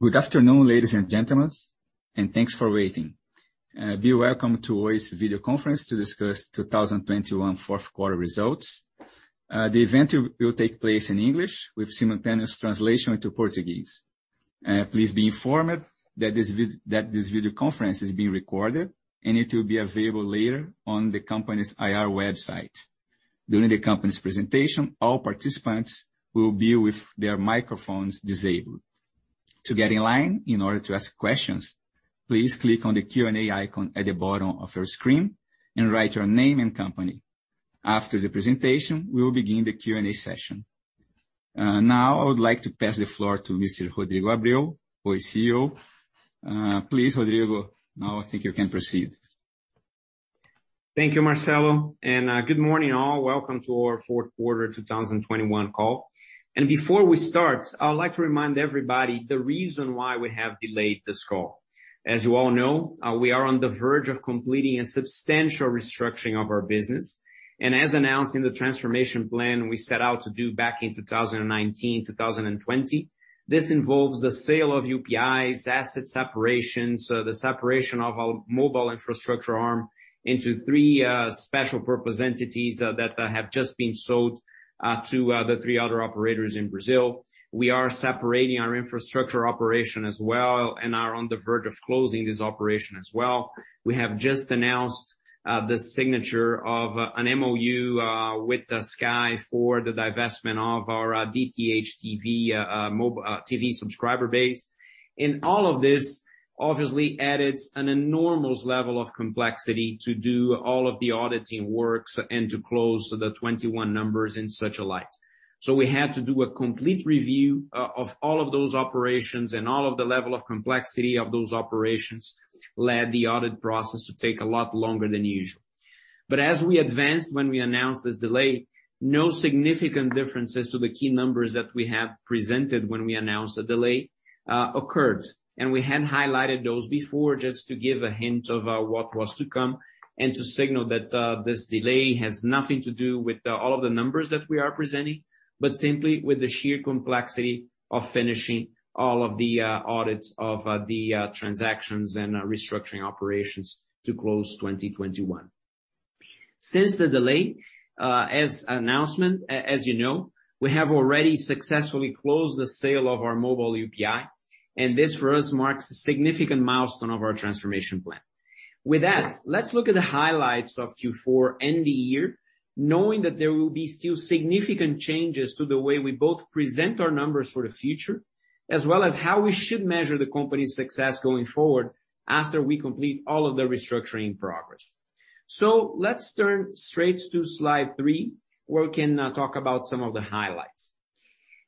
Good afternoon, ladies and gentlemen, and thanks for waiting. Be welcome to Oi's video conference to discuss 2021 fourth quarter results. The event will take place in English with simultaneous translation into Portuguese. Please be informed that this video conference is being recorded, and it will be available later on the company's IR website. During the company's presentation, all participants will be with their microphones disabled. To get in line, in order to ask questions, please click on the Q&A icon at the bottom of your screen and write your name and company. After the presentation, we will begin the Q&A session. Now I would like to pass the floor to Mr. Rodrigo Abreu, Oi's CEO. Please, Rodrigo, now I think you can proceed. Thank you, Marcelo, and good morning, all. Welcome to our fourth quarter 2021 call. Before we start, I would like to remind everybody the reason why we have delayed this call. As you all know, we are on the verge of completing a substantial restructuring of our business. As announced in the transformation plan we set out to do back in 2019, 2020, this involves the sale of UPI's asset separation, so the separation of our mobile infrastructure arm into three special purpose entities that have just been sold to the three other operators in Brazil. We are separating our infrastructure operation as well and are on the verge of closing this operation as well. We have just announced the signature of an MOU with Sky for the divestment of our DTH-TV subscriber base. All of this obviously added an enormous level of complexity to do all of the audit work and to close the 2021 numbers in such a tight. We had to do a complete review of all of those operations and all of the level of complexity of those operations led the audit process to take a lot longer than usual. As we advised when we announced this delay, no significant differences to the key numbers that we have presented when we announced the delay occurred. We had highlighted those before just to give a hint of what was to come and to signal that this delay has nothing to do with all of the numbers that we are presenting, but simply with the sheer complexity of finishing all of the audits of the transactions and restructuring operations to close 2021. Since the delay was announced, as you know, we have already successfully closed the sale of our mobile UPI, and this for us marks a significant milestone of our transformation plan. With that, let's look at the highlights of Q4 and the year, knowing that there will be still significant changes to the way we both present our numbers for the future, as well as how we should measure the company's success going forward after we complete all of the restructuring progress. Let's turn straight to slide three, where we can talk about some of the highlights.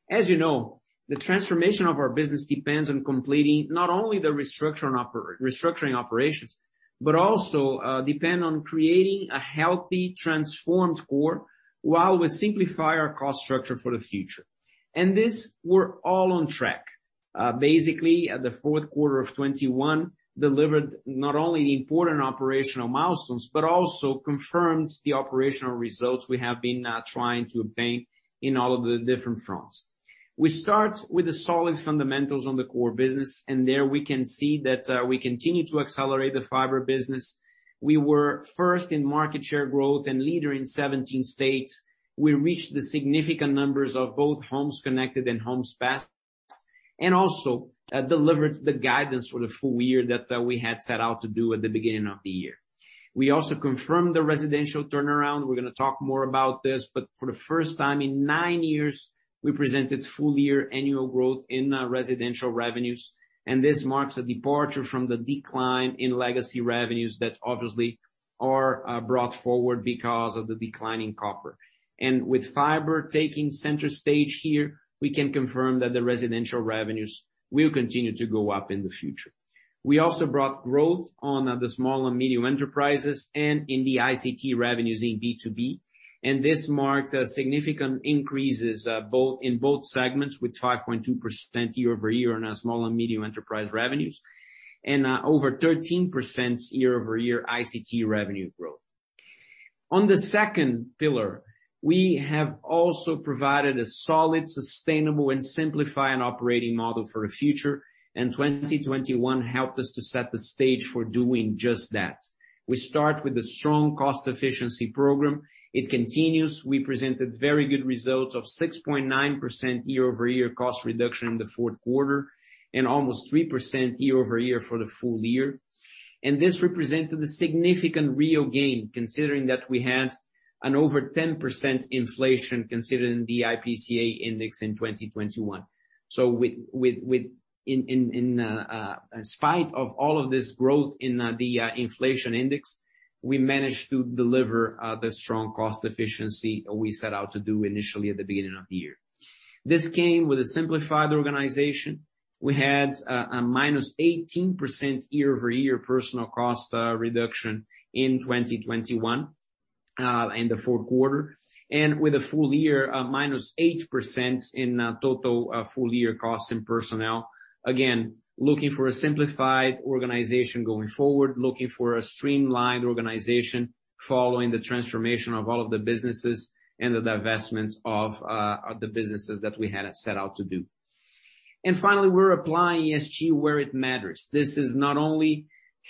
As you know, the transformation of our business depends on completing not only the restructuring operations, but also depend on creating a healthy transformed core while we simplify our cost structure for the future. This, we're all on track. Basically at the fourth quarter of 2021 delivered not only important operational milestones, but also confirms the operational results we have been trying to obtain in all of the different fronts. We start with the solid fundamentals on the core business, and there we can see that we continue to accelerate the fiber business. We were first in market share growth and leader in 17 states. We reached the significant numbers of both homes connected and homes passed, and also delivered the guidance for the full year that we had set out to do at the beginning of the year. We also confirmed the residential turnaround. We're gonna talk more about this, but for the first time in nine years, we presented full-year annual growth in residential revenues, and this marks a departure from the decline in legacy revenues that obviously are brought forward because of the declining copper. With fiber taking center stage here, we can confirm that the residential revenues will continue to go up in the future. We also brought growth on the small and medium enterprises and in the ICT revenues in B2B, and this marked significant increases in both segments with 5.2% year-over-year on small and medium enterprise revenues and over 13% year-over-year ICT revenue growth. On the second pillar, we have also provided a solid, sustainable, and simplified operating model for the future, and 2021 helped us to set the stage for doing just that. We start with a strong cost efficiency program. It continues. We presented very good results of 6.9% year-over-year cost reduction in the fourth quarter and almost 3% year-over-year for the full year. This represented a significant real gain, considering that we had over 10% inflation considering the IPCA index in 2021. In spite of all of this growth in the inflation index, we managed to deliver the strong cost efficiency we set out to do initially at the beginning of the year. This came with a simplified organization. We had a minus 18% year-over-year personnel cost reduction in 2021 in the fourth quarter, and with a full year minus 8% in total full-year costs in personnel. Again, looking for a simplified organization going forward, looking for a streamlined organization following the transformation of all of the businesses and the divestments of the businesses that we had set out to do. Finally, we're applying ESG where it matters. This is not only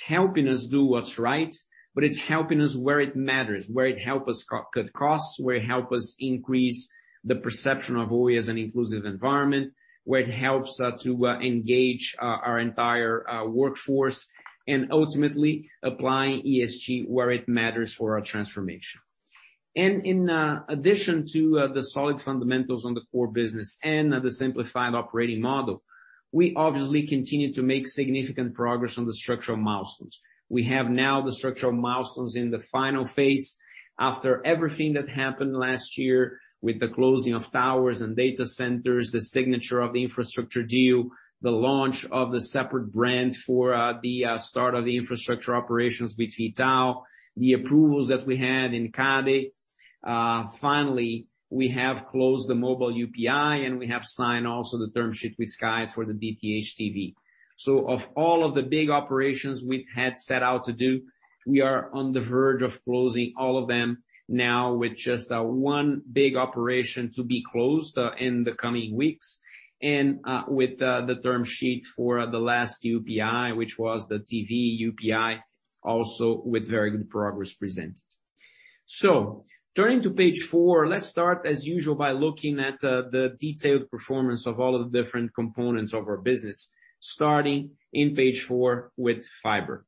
helping us do what's right, but it's helping us where it matters, where it help us cut costs, where it help us increase the perception of Oi as an inclusive environment, where it helps to engage our entire workforce and ultimately applying ESG where it matters for our transformation. In addition to the solid fundamentals on the core business and the simplified operating model, we obviously continue to make significant progress on the structural milestones. We have now the structural milestones in the final phase. After everything that happened last year with the closing of towers and data centers, the signature of the infrastructure deal, the launch of the separate brand for the start of the infrastructure operations with V.tal, the approvals that we had in CADE. Finally, we have closed the mobile UPI, and we have signed also the term sheet with Sky for the DTH-TV. Of all of the big operations we had set out to do, we are on the verge of closing all of them now with just one big operation to be closed in the coming weeks. With the term sheet for the last UPI, which was the TV UPI, also with very good progress presented. Turning to page 4, let's start as usual by looking at the detailed performance of all of the different components of our business, starting in page 4 with fiber.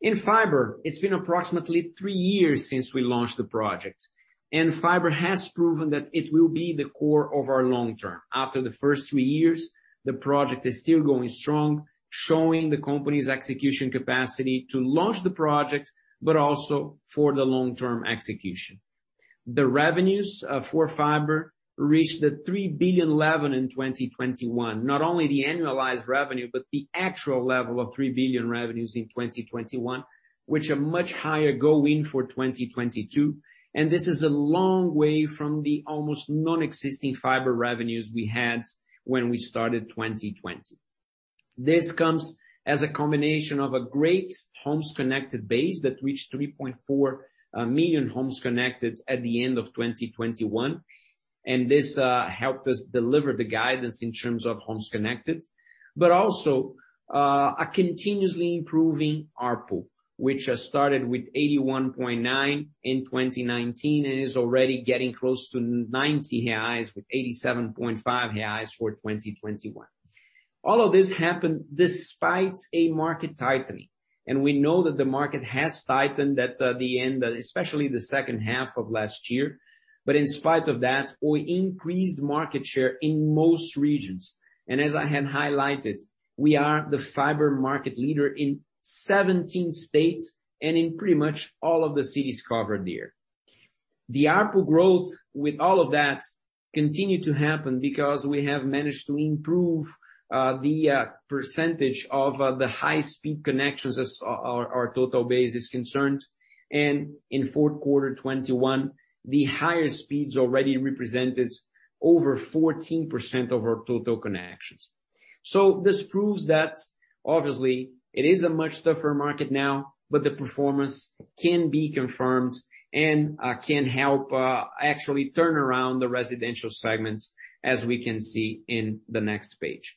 In fiber, it's been approximately 3 years since we launched the project, and fiber has proven that it will be the core of our long term. After the first three years, the project is still going strong, showing the company's execution capacity to launch the project, but also for the long-term execution. The revenues for fiber reached the 3 billion level in 2021. Not only the annualized revenue, but the actual level of 3 billion revenues in 2021, which are much higher going for 2022. This is a long way from the almost non-existing fiber revenues we had when we started 2020. This comes as a combination of a great homes connected base that reached 3.4 million homes connected at the end of 2021, and this helped us deliver the guidance in terms of homes connected. Also, a continuously improving ARPU, which has started with 81.9 in 2019 and is already getting close to 90 reais with 87.5 reais for 2021. All of this happened despite a market tightening, and we know that the market has tightened at the end, especially the second half of last year. In spite of that, we increased market share in most regions. As I had highlighted, we are the fiber market leader in 17 states and in pretty much all of the cities covered there. The ARPU growth with all of that continued to happen because we have managed to improve the percentage of the high speed connections as our total base is concerned. In fourth quarter 2021, the higher speeds already represented over 14% of our total connections. This proves that obviously it is a much tougher market now, but the performance can be confirmed and can help actually turn around the residential segments as we can see in the next page.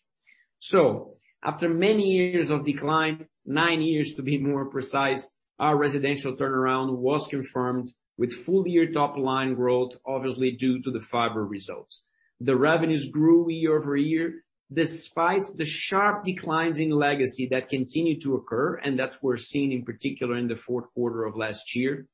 After many years of decline, nine years to be more precise, our residential turnaround was confirmed with full year top line growth, obviously due to the fiber results. The revenues grew year-over-year despite the sharp declines in legacy that continued to occur, and that were seen in particular in the fourth quarter of last year.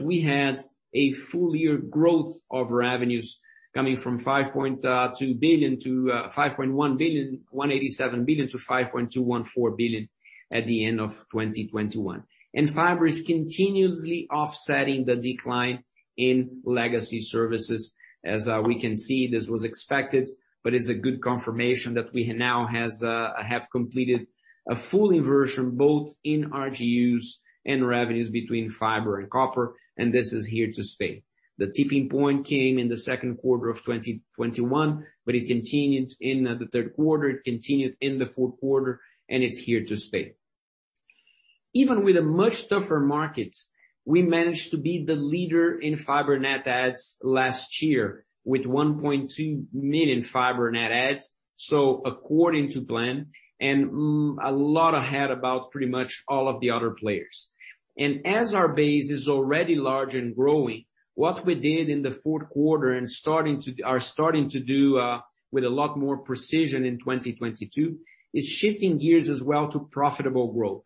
We had a full year growth of revenues coming from 5.187 billion-5.214 billion at the end of 2021. Fiber is continuously offsetting the decline in legacy services. We can see, this was expected, but it's a good confirmation that we now have completed a full inversion both in RGUs and revenues between fiber and copper, and this is here to stay. The tipping point came in the second quarter of 2021, but it continued in the third quarter, it continued in the fourth quarter, and it's here to stay. Even with a much tougher market, we managed to be the leader in fiber net adds last year with 1.2 million fiber net adds. So according to plan, and a lot ahead of pretty much all of the other players. As our base is already large and growing, what we did in the fourth quarter and are starting to do with a lot more precision in 2022, is shifting gears as well to profitable growth.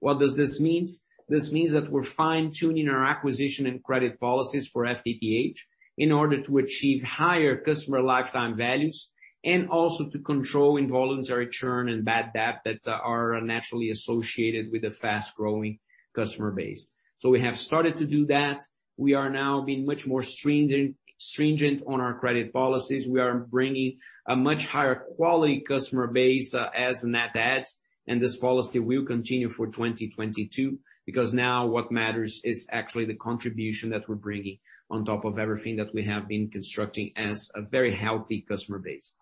What does this means? This means that we're fine-tuning our acquisition and credit policies for FTTH in order to achieve higher customer lifetime values and also to control involuntary churn and bad debt that are naturally associated with a fast-growing customer base. We have started to do that. We are now being much more stringent on our credit policies. We are bringing a much higher quality customer base as net adds, and this policy will continue for 2022, because now what matters is actually the contribution that we're bringing on top of everything that we have been constructing as a very healthy customer base.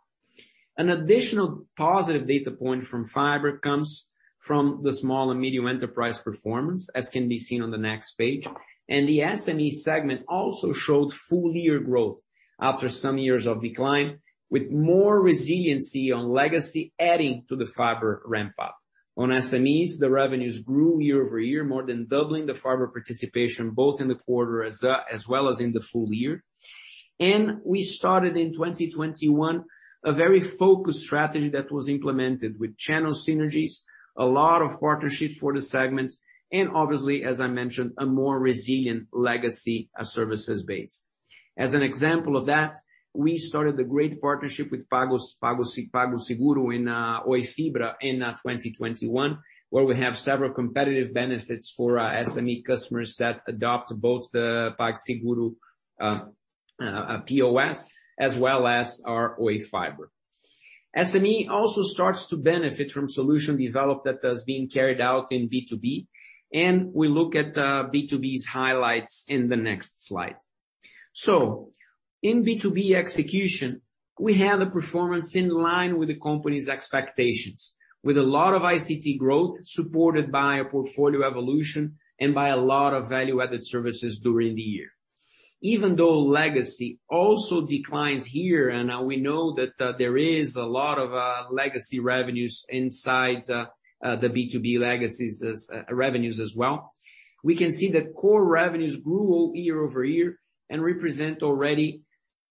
An additional positive data point from fiber comes from the small and medium enterprise performance, as can be seen on the next page. The SME segment also showed full-year growth after some years of decline, with more resiliency on legacy adding to the fiber ramp up. On SMEs, the revenues grew year-over-year, more than doubling the fiber participation both in the quarter as well as in the full year. We started in 2021 a very focused strategy that was implemented with channel synergies, a lot of partnerships for the segments, and obviously, as I mentioned, a more resilient legacy services base. As an example of that, we started a great partnership with PagSeguro in Oi Fibra in 2021, where we have several competitive benefits for our SME customers that adopt both the PagSeguro POS as well as our Oi Fibra. SME also starts to benefit from solution developed that is being carried out in B2B, and we look at B2B's highlights in the next slide. In B2B execution, we have the performance in line with the company's expectations, with a lot of ICT growth supported by a portfolio evolution and by a lot of value-added services during the year. Even though legacy also declines here, and we know that there is a lot of legacy revenues inside the B2B legacy revenues as well. We can see that core revenues grew year-over-year and represent already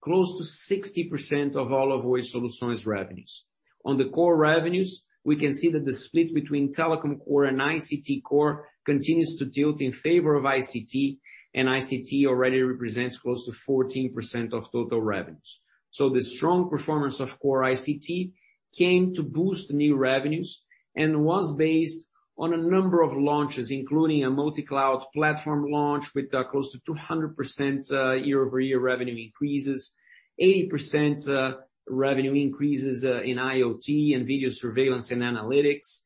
close to 60% of all of Oi Soluções revenues. On the core revenues, we can see that the split between telecom core and ICT core continues to tilt in favor of ICT, and ICT already represents close to 14% of total revenues. The strong performance of core ICT came to boost new revenues and was based on a number of launches, including a multi-cloud platform launch with close to 200% year-over-year revenue increases, 80% revenue increases in IoT and video surveillance and analytics.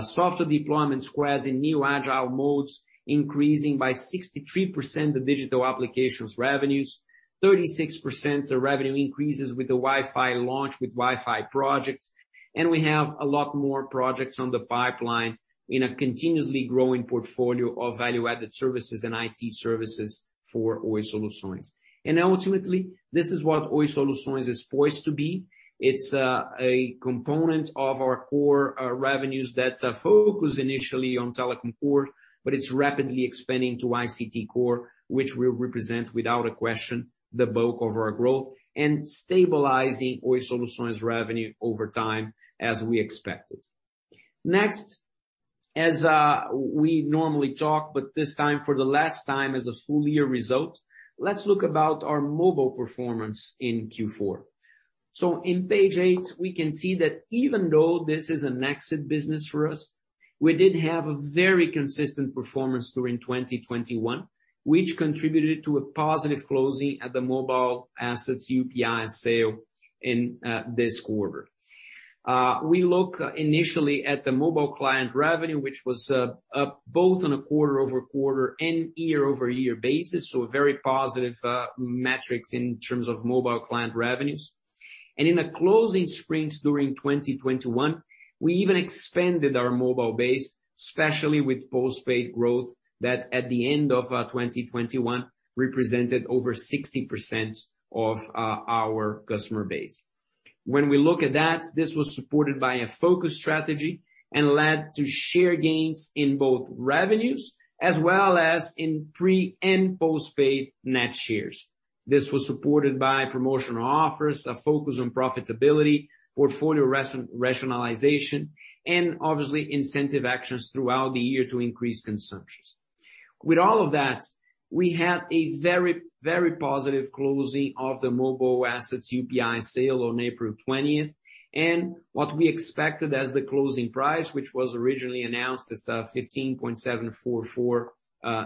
Software deployment surged in new agile modes, increasing by 63% the digital applications revenues, 36% the revenue increases with the Wi-Fi launch, with Wi-Fi projects. We have a lot more projects on the pipeline in a continuously growing portfolio of value-added services and IT services for Oi Soluções. Ultimately, this is what Oi Soluções is poised to be. It's a component of our core revenues that focus initially on telecom core, but it's rapidly expanding to ICT core, which will represent, without a question, the bulk of our growth and stabilizing Oi Soluções revenue over time, as we expected. Next, as we normally talk, but this time, for the last time as a full-year result, let's look at our mobile performance in Q4. In page 8, we can see that even though this is an exit business for us, we did have a very consistent performance during 2021, which contributed to a positive closing at the mobile assets UPI sale in this quarter. We look initially at the mobile client revenue, which was up both on a quarter-over-quarter and year-over-year basis, so very positive metrics in terms of mobile client revenues. In a closing sprint during 2021, we even expanded our mobile base, especially with postpaid growth, that at the end of 2021 represented over 60% of our customer base. When we look at that, this was supported by a focus strategy and led to share gains in both revenues as well as in pre and postpaid net shares. This was supported by promotional offers, a focus on profitability, portfolio rationalization, and obviously incentive actions throughout the year to increase consumptions. With all of that, we had a very positive closing of the mobile assets UPI sale on April 20th. What we expected as the closing price, which was originally announced as 15.744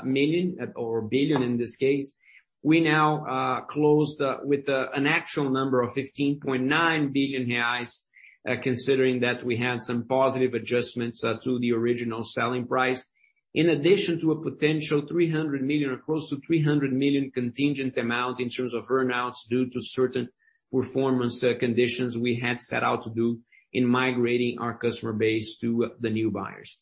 billion, we now closed with an actual number of 15.9 billion reais, considering that we had some positive adjustments to the original selling price. In addition to a potential 300 million, or close to 300 million contingent amount in terms of earn-outs due to certain performance conditions we had set out to do in migrating our customer base to the new buyers.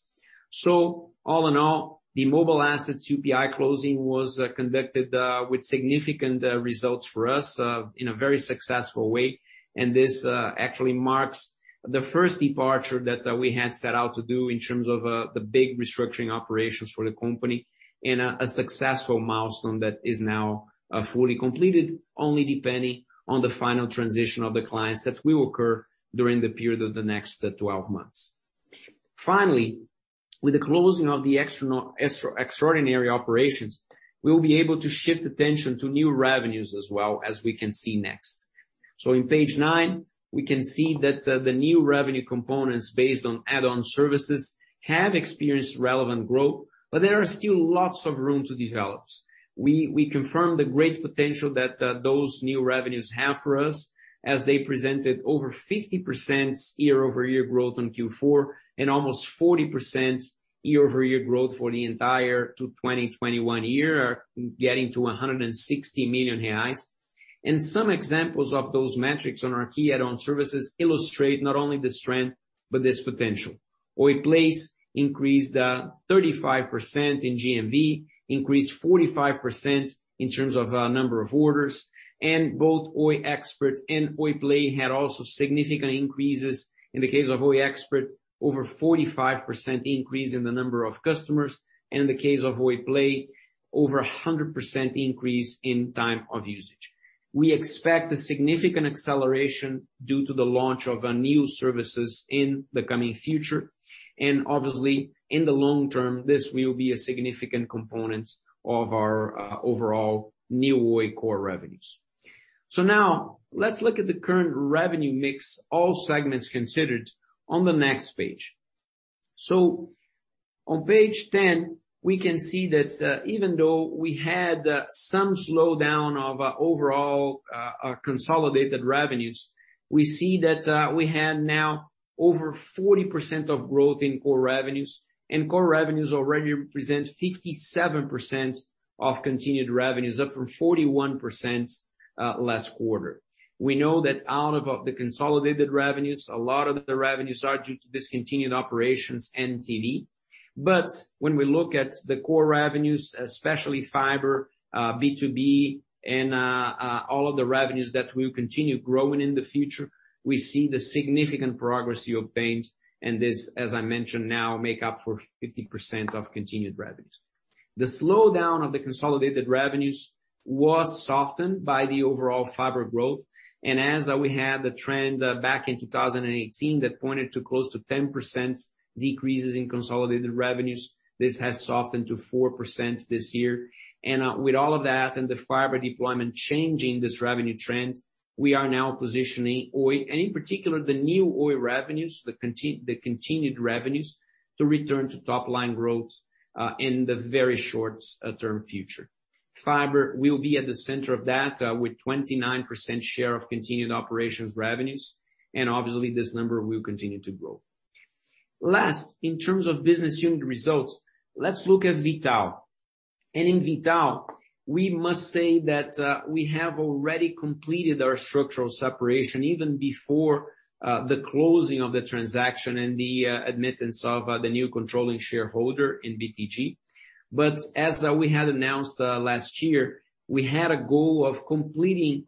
All in all, the mobile assets UPI closing was conducted with significant results for us in a very successful way. This actually marks the first departure that we had set out to do in terms of the big restructuring operations for the company and a successful milestone that is now fully completed, only depending on the final transition of the clients that will occur during the period of the next 12 months. Finally, with the closing of the extraordinary operations, we will be able to shift attention to new revenues as well as we can see next. In page nine, we can see that the new revenue components based on add-on services have experienced relevant growth, but there are still lots of room to develop. We confirm the great potential that those new revenues have for us as they presented over 50% year-over-year growth on Q4 and almost 40% year-over-year growth for the entire 2021 year, getting to 160 million reais. Some examples of those metrics on our key add-on services illustrate not only the strength but this potential. Oi Place increased 35% in GMV, increased 45% in terms of number of orders, and both Oi Expert and Oi Play had also significant increases. In the case of Oi Expert, over 45% increase in the number of customers. In the case of Oi Play, over 100% increase in time of usage. We expect a significant acceleration due to the launch of new services in the coming future. Obviously, in the long term, this will be a significant component of our overall New Oi core revenues. Now let's look at the current revenue mix, all segments considered, on the next page. On page 10, we can see that even though we had some slowdown of overall consolidated revenues, we see that we have now over 40% of growth in core revenues. Core revenues already represent 57% of continued revenues, up from 41% last quarter. We know that out of the consolidated revenues, a lot of the revenues are due to discontinued operations and TV. When we look at the core revenues, especially fiber, B2B and all of the revenues that will continue growing in the future, we see the significant progress we obtained. This, as I mentioned, now make up for 50% of continued revenues. The slowdown of the consolidated revenues was softened by the overall fiber growth. As we had the trend back in 2018 that pointed to close to 10% decreases in consolidated revenues, this has softened to 4% this year. With all of that and the fiber deployment changing this revenue trends, we are now positioning Oi, and in particular, the New Oi revenues, the continued revenues to return to top-line growth, in the very short-term future. Fiber will be at the center of that, with 29% share of continued operations revenues, and obviously, this number will continue to grow. Last, in terms of business unit results, let's look at V.tal. In V.tal, we must say that we have already completed our structural separation even before the closing of the transaction and the admittance of the new controlling shareholder in BTG. As we had announced last year, we had a goal of completing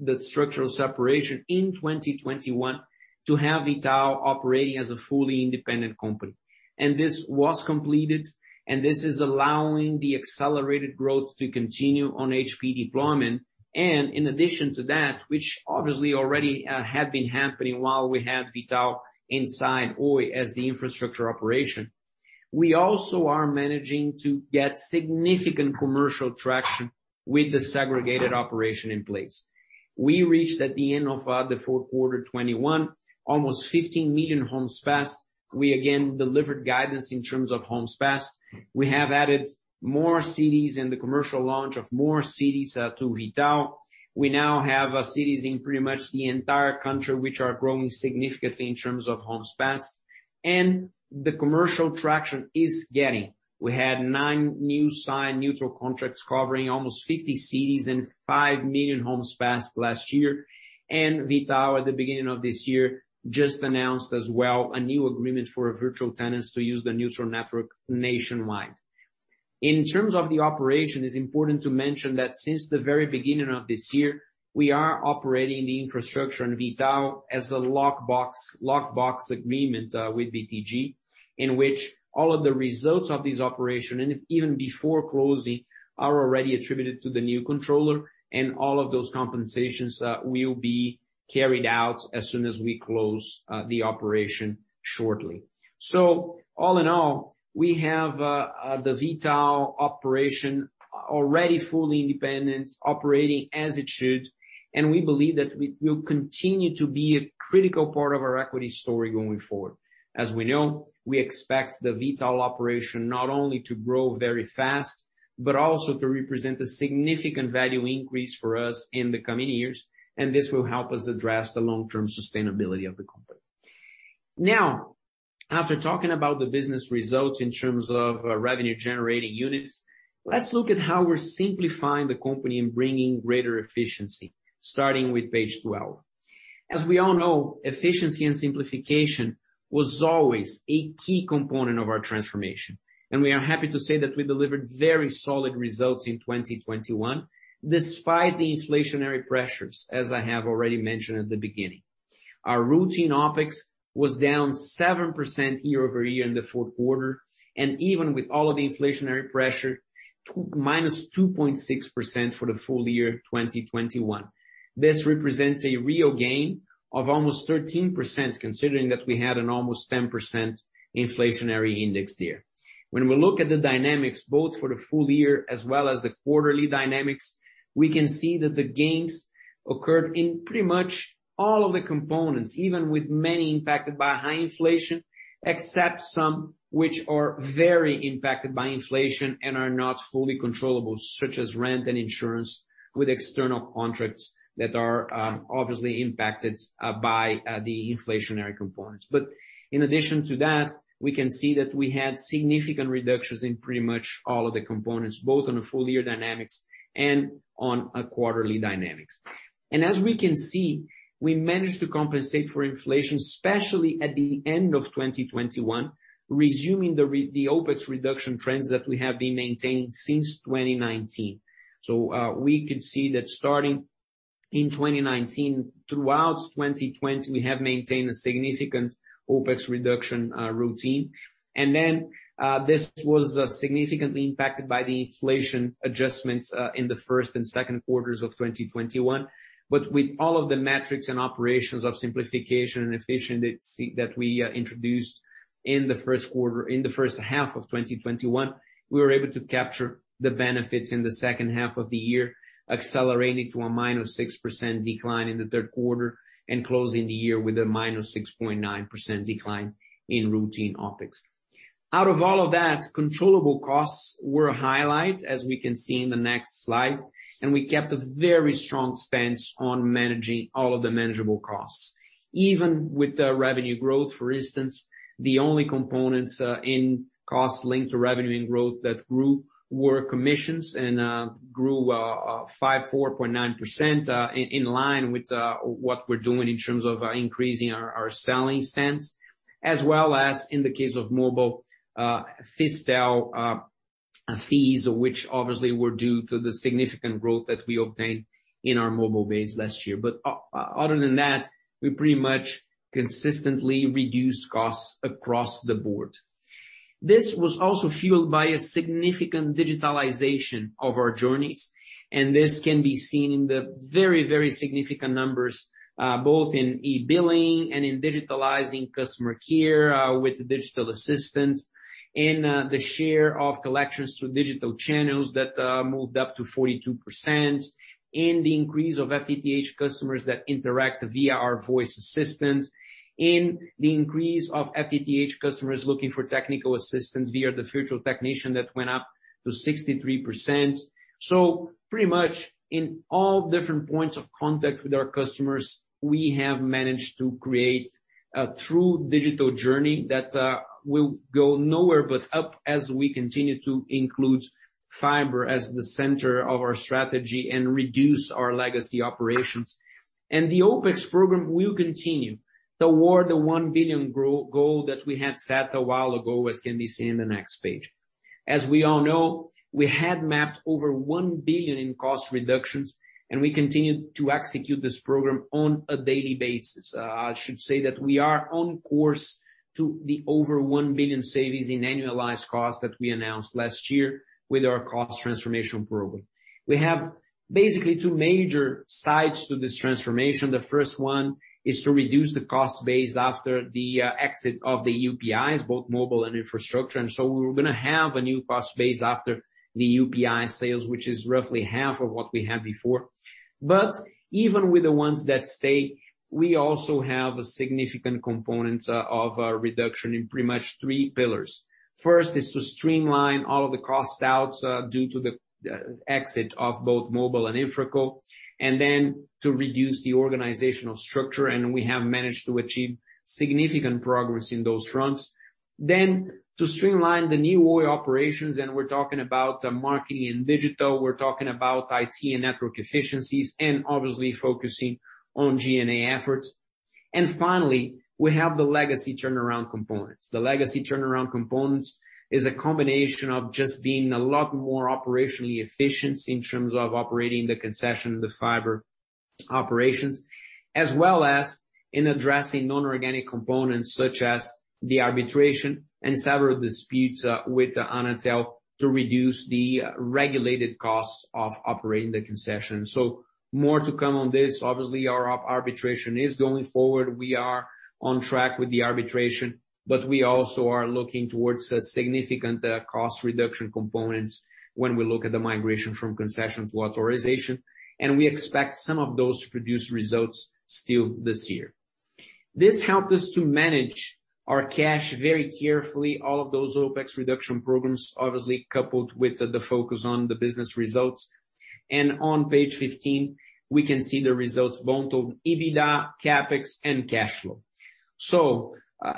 the structural separation in 2021 to have V.tal operating as a fully independent company. This was completed, and this is allowing the accelerated growth to continue on HP deployment. In addition to that, which obviously already had been happening while we had V.tal inside Oi as the infrastructure operation, we also are managing to get significant commercial traction with the segregated operation in place. We reached, at the end of the fourth quarter 2021, almost 15 million homes passed. We again delivered guidance in terms of homes passed. We have added more cities in the commercial launch of more cities to V.tal. We now have cities in pretty much the entire country which are growing significantly in terms of homes passed. The commercial traction is getting. We had 9 new signed neutral contracts covering almost 50 cities and 5 million homes passed last year. V.tal, at the beginning of this year, just announced as well a new agreement for various tenants to use the neutral network nationwide. In terms of the operation, it's important to mention that since the very beginning of this year, we are operating the infrastructure in V.tal as a lockbox agreement with BTG, in which all of the results of this operation and even before closing are already attributed to the new controller, and all of those compensations will be carried out as soon as we close the operation shortly. All in all, we have the V.tal operation already fully independent, operating as it should, and we believe that it will continue to be a critical part of our equity story going forward. As we know, we expect the V.tal operation not only to grow very fast, but also to represent a significant value increase for us in the coming years, and this will help us address the long-term sustainability of the company. Now, after talking about the business results in terms of revenue generating units, let's look at how we're simplifying the company and bringing greater efficiency, starting with page 12. As we all know, efficiency and simplification was always a key component of our transformation, and we are happy to say that we delivered very solid results in 2021, despite the inflationary pressures, as I have already mentioned at the beginning. Our routine OpEx was down 7% year-over-year in the fourth quarter, and even with all of the inflationary pressure, minus 2.6% for the full year 2021. This represents a real gain of almost 13%, considering that we had an almost 10% inflationary index there. When we look at the dynamics, both for the full year as well as the quarterly dynamics, we can see that the gains occurred in pretty much all of the components, even with many impacted by high inflation, except some which are very impacted by inflation and are not fully controllable, such as rent and insurance, with external contracts that are obviously impacted by the inflationary components. In addition to that, we can see that we have significant reductions in pretty much all of the components, both on the full year dynamics and on quarterly dynamics. As we can see, we managed to compensate for inflation, especially at the end of 2021, resuming the OpEx reduction trends that we have been maintaining since 2019. We can see that starting in 2019. Throughout 2020, we have maintained a significant OpEx reduction routine. This was significantly impacted by the inflation adjustments in the first and second quarters of 2021. With all of the metrics and operations of simplification and efficiency that we introduced in the first quarter, in the first half of 2021, we were able to capture the benefits in the second half of the year, accelerating to a -6% decline in the third quarter and closing the year with a -6.9% decline in routine OpEx. Out of all of that, controllable costs were a highlight, as we can see in the next slide, and we kept a very strong stance on managing all of the manageable costs. Even with the revenue growth, for instance, the only components in costs linked to revenue and growth that grew were commissions and grew 5.4%, in line with what we're doing in terms of increasing our selling stance. As well as in the case of mobile fees, which obviously were due to the significant growth that we obtained in our mobile base last year. Other than that, we pretty much consistently reduced costs across the board. This was also fueled by a significant digitalization of our journeys, and this can be seen in the very significant numbers, both in e-billing and in digitalizing customer care, with the digital assistants. In the share of collections through digital channels that moved up to 42%. In the increase of FTTH customers that interact via our voice assistants. In the increase of FTTH customers looking for technical assistance via the virtual technician that went up to 63%. Pretty much in all different points of contact with our customers, we have managed to create a true digital journey that will go nowhere but up as we continue to include fiber as the center of our strategy and reduce our legacy operations. The OpEx program will continue toward the 1 billion growth goal that we had set a while ago, as can be seen in the next page. As we all know, we had mapped over 1 billion in cost reductions, and we continue to execute this program on a daily basis. I should say that we are on course to the over 1 billion savings in annualized costs that we announced last year with our cost transformation program. We have basically two major sides to this transformation. The first one is to reduce the cost base after the exit of the UPIs, both mobile and infrastructure. We're gonna have a new cost base after the UPI sales, which is roughly half of what we had before. Even with the ones that stay, we also have a significant component of reduction in pretty much three pillars. First is to streamline all of the cost outs due to the exit of both mobile and InfraCo, and then to reduce the organizational structure, and we have managed to achieve significant progress in those fronts. To streamline the New Oi operations, we're talking about marketing and digital, we're talking about IT and network efficiencies, and obviously focusing on G&A efforts. Finally, we have the legacy turnaround components. The legacy turnaround components is a combination of just being a lot more operationally efficient in terms of operating the concession of the fiber operations. As well as in addressing non-organic components such as the arbitration and several disputes with Anatel to reduce the regulated costs of operating the concession. More to come on this. Our arbitration is going forward. We are on track with the arbitration, but we also are looking towards a significant cost reduction components when we look at the migration from concession to authorization, and we expect some of those to produce results still this year. This helped us to manage our cash very carefully. All of those OpEx reduction programs, obviously coupled with the focus on the business results. On page 15, we can see the results both on EBITDA, CapEx and cash flow.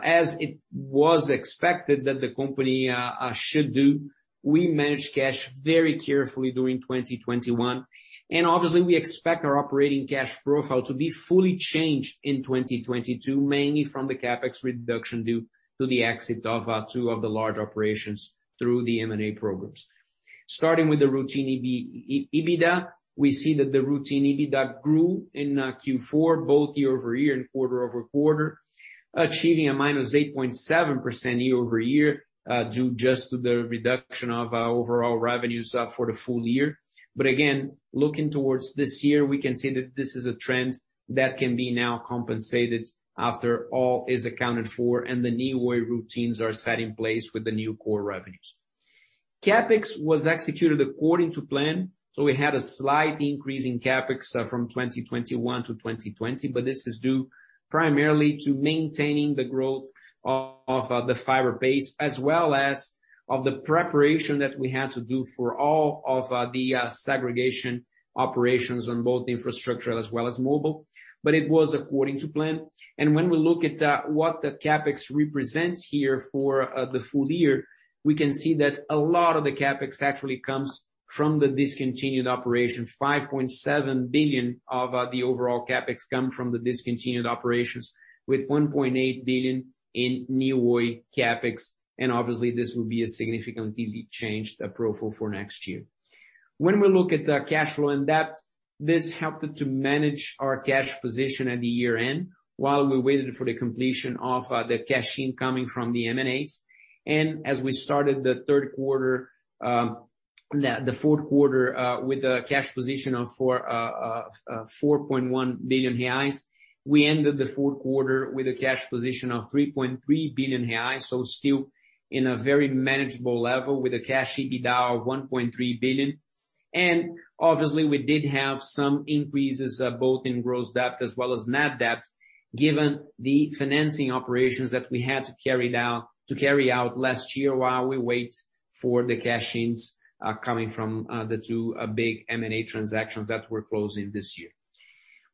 As it was expected that the company should do, we managed cash very carefully during 2021. Obviously, we expect our operating cash profile to be fully changed in 2022, mainly from the CapEx reduction due to the exit of two of the large operations through the M&A programs. Starting with the routine EBITDA, we see that the routine EBITDA grew in Q4, both year-over-year and quarter-over-quarter, achieving a -8.7% year-over-year, due just to the reduction of overall revenues for the full year. Again, looking towards this year, we can see that this is a trend that can be now compensated after all is accounted for and the New Oi routines are set in place with the new core revenues. CapEx was executed according to plan. We had a slight increase in CapEx from 2021 to 2020, but this is due primarily to maintaining the growth of the fiber base, as well as of the preparation that we had to do for all of the segregation operations on both infrastructure as well as mobile. It was according to plan. When we look at what the CapEx represents here for the full year, we can see that a lot of the CapEx actually comes from the discontinued operation. 5.7 billion of the overall CapEx comes from the discontinued operations with 1.8 billion in New Oi CapEx. Obviously, this will be a significantly changed profile for next year. This helped to manage our cash position at the year end while we waited for the completion of the cash incoming from the M&As. As we started the fourth quarter with a cash position of 4.1 billion reais. We ended the fourth quarter with a cash position of 3.3 billion reais. Still in a very manageable level with a cash EBITDA of 1.3 billion. Obviously, we did have some increases both in gross debt as well as net debt, given the financing operations that we had to carry out last year while we wait for the cash ins coming from the 2 big M&A transactions that we're closing this year.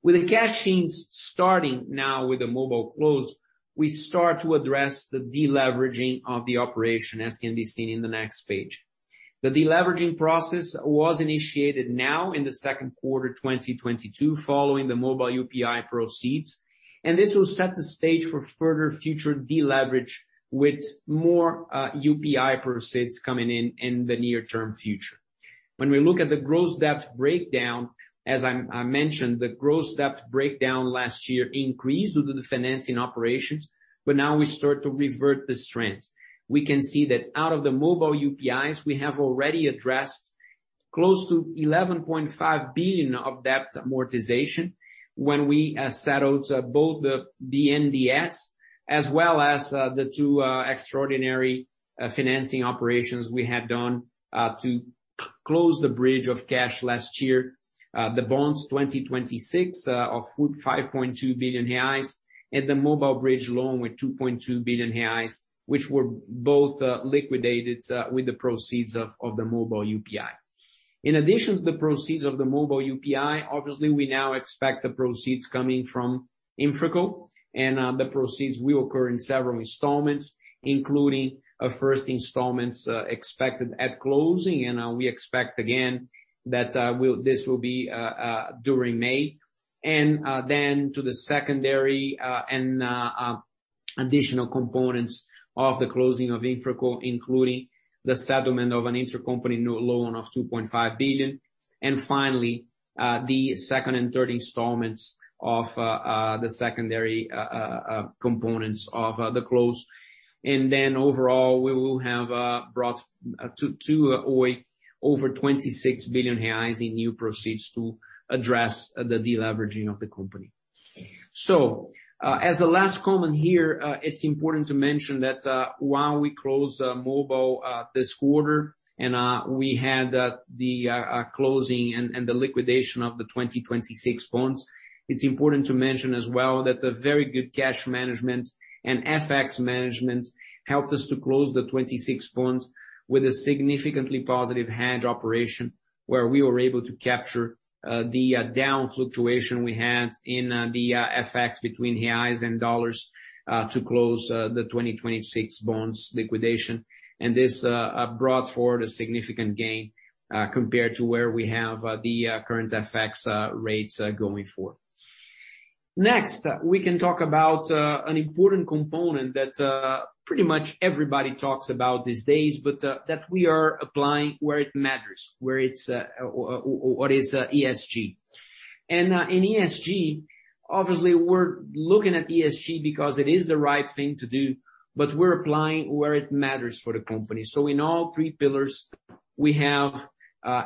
With the cash ins starting now with the mobile close, we start to address the de-leveraging of the operation, as can be seen in the next page. The de-leveraging process was initiated now in the second quarter 2022, following the mobile UPI proceeds, and this will set the stage for further future de-leverage with more UPI proceeds coming in in the near-term future. When we look at the gross debt breakdown, as I mentioned, the gross debt breakdown last year increased due to the financing operations, but now we start to revert this trend. We can see that out of the mobile UPIs, we have already addressed close to 11.5 billion of debt amortization when we settled both the BNDES, as well as the two extraordinary financing operations we had done to close the cash bridge last year, the 2026 bonds of 5.2 billion reais, and the mobile bridge loan with 2.2 billion reais, which were both liquidated with the proceeds of the mobile UPI. In addition to the proceeds of the mobile UPI, obviously we now expect the proceeds coming from InfraCo, and the proceeds will occur in several installments, including a first installment expected at closing. We expect again that this will be during May. Then the secondary and additional components of the closing of InfraCo, including the settlement of an intracompany loan of 2.5 billion. Finally, the second and third installments of the secondary components of the closing. Then overall, we will have brought to Oi over 26 billion reais in new proceeds to address the de-leveraging of the company. As a last comment here, it's important to mention that, while we closed Mobile this quarter and we had the closing and the liquidation of the 2026 bonds. It's important to mention as well that the very good cash management and FX management helped us to close the 2026 bonds with a significantly positive hedge operation, where we were able to capture the down fluctuation we had in the FX between reais and dollars to close the 2026 bonds liquidation. This brought forward a significant gain compared to where we have the current FX rates going forward. Next, we can talk about an important component that pretty much everybody talks about these days, but that we are applying where it matters, where it's what is ESG. In ESG, obviously we're looking at ESG because it is the right thing to do, but we're applying where it matters for the company. In all three pillars, we have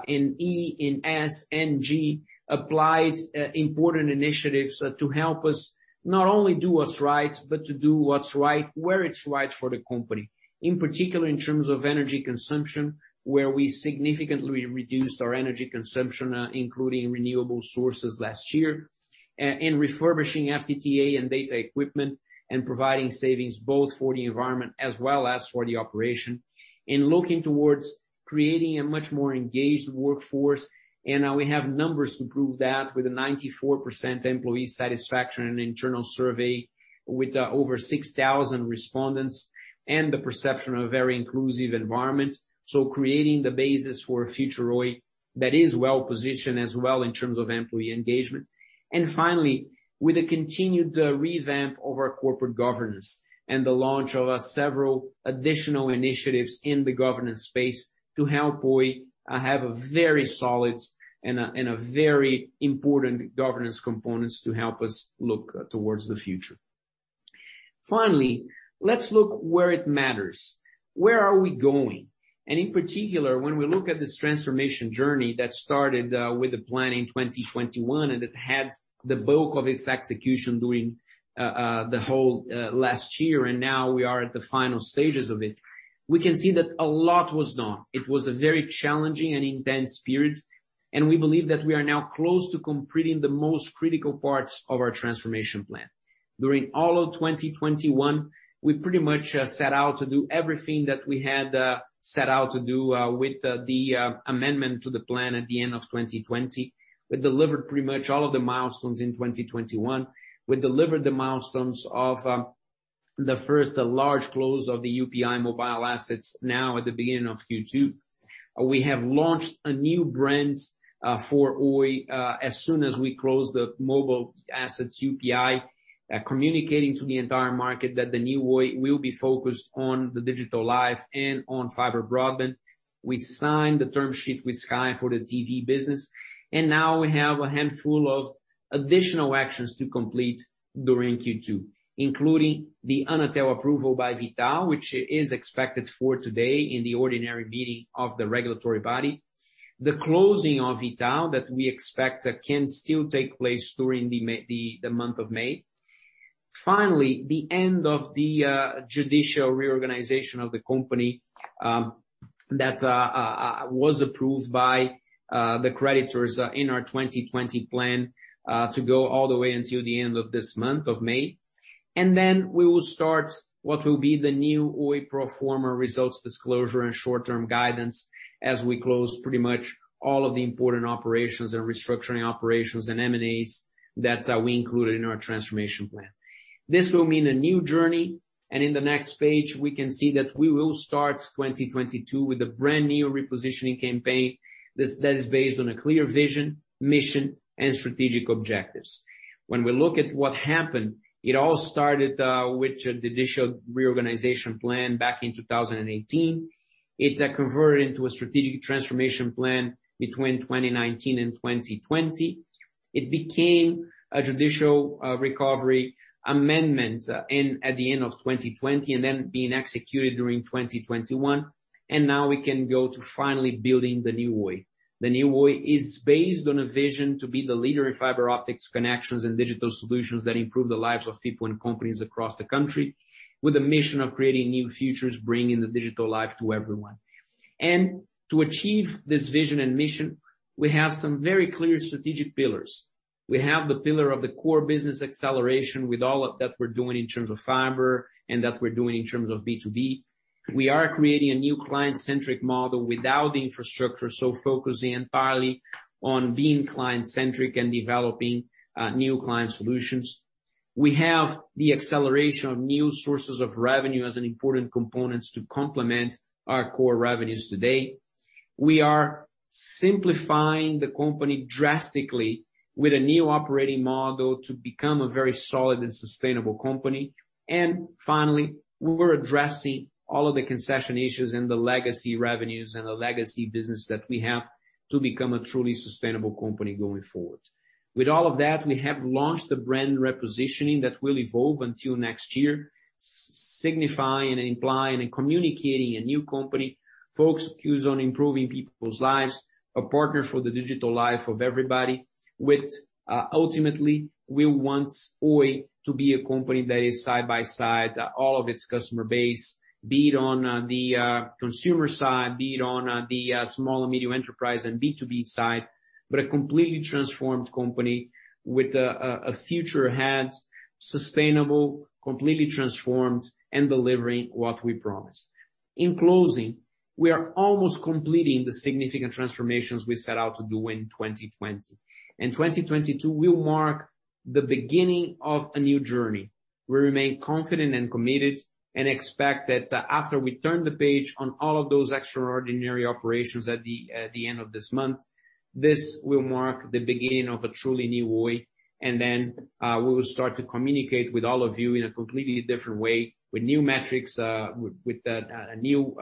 in E, in S, and G, applied important initiatives to help us not only do what's right, but to do what's right where it's right for the company. In particular, in terms of energy consumption, where we significantly reduced our energy consumption including renewable sources last year. In refurbishing FTTH and data equipment, and providing savings both for the environment as well as for the operation. In looking towards creating a much more engaged workforce. We have numbers to prove that with a 94% employee satisfaction in internal survey with over 6,000 respondents, and the perception of a very inclusive environment. Creating the basis for a future Oi that is well-positioned as well in terms of employee engagement. With a continued revamp of our corporate governance and the launch of several additional initiatives in the governance space to help Oi have a very solid and a very important governance components to help us look towards the future. Let's look where it matters. Where are we going? In particular, when we look at this transformation journey that started with the plan in 2021, and it had the bulk of its execution during the whole last year, and now we are at the final stages of it. We can see that a lot was done. It was a very challenging and intense period, and we believe that we are now close to completing the most critical parts of our transformation plan. During all of 2021, we pretty much set out to do everything that we had set out to do with the amendment to the plan at the end of 2020. We delivered pretty much all of the milestones in 2021. We delivered the milestones of the first large close of the UPI mobile assets now at the beginning of Q2. We have launched a new brands for Oi as soon as we close the mobile assets, UPI, communicating to the entire market that the new Oi will be focused on the digital life and on fiber broadband. We signed the term sheet with Sky for the TV business, and now we have a handful of additional actions to complete during Q2, including the Anatel approval by V.tal, which is expected for today in the ordinary meeting of the regulatory body. The closing of V.tal that we expect can still take place during the month of May. Finally, the end of the judicial reorganization of the company that was approved by the creditors in our 2020 plan to go all the way until the end of this month of May. We will start what will be the new Oi pro forma results disclosure and short-term guidance as we close pretty much all of the important operations and restructuring operations and M&As that we included in our transformation plan. This will mean a new journey, and in the next page we can see that we will start 2022 with a brand new repositioning campaign. That is based on a clear vision, mission, and strategic objectives. When we look at what happened, it all started with the digital reorganization plan back in 2018. It converted into a strategic transformation plan between 2019 and 2020. It became a judicial recovery amendment at the end of 2020 and then being executed during 2021. Now we can go to finally building the new Oi. The new Oi is based on a vision to be the leader in fiber optics connections and digital solutions that improve the lives of people and companies across the country, with a mission of creating new futures, bringing the digital life to everyone. To achieve this vision and mission, we have some very clear strategic pillars. We have the pillar of the core business acceleration with all of that we're doing in terms of fiber and that we're doing in terms of B2B. We are creating a new client-centric model without the infrastructure, so focusing entirely on being client-centric and developing new client solutions. We have the acceleration of new sources of revenue as an important components to complement our core revenues today. We are simplifying the company drastically with a new operating model to become a very solid and sustainable company. Finally, we were addressing all of the concession issues and the legacy revenues and the legacy business that we have to become a truly sustainable company going forward. With all of that, we have launched the brand repositioning that will evolve until next year, signifying and implying and communicating a new company focused, of course, on improving people's lives, a partner for the digital life of everybody. Ultimately, we want Oi to be a company that is side by side all of its customer base, be it on the consumer side, be it on the small and medium enterprise and B2B side, but a completely transformed company with a future ahead, sustainable, completely transformed and delivering what we promise. In closing, we are almost completing the significant transformations we set out to do in 2020. In 2022, we'll mark the beginning of a new journey. We remain confident and committed and expect that, after we turn the page on all of those extraordinary operations at the end of this month, this will mark the beginning of a truly new Oi. We will start to communicate with all of you in a completely different way, with new metrics, with a new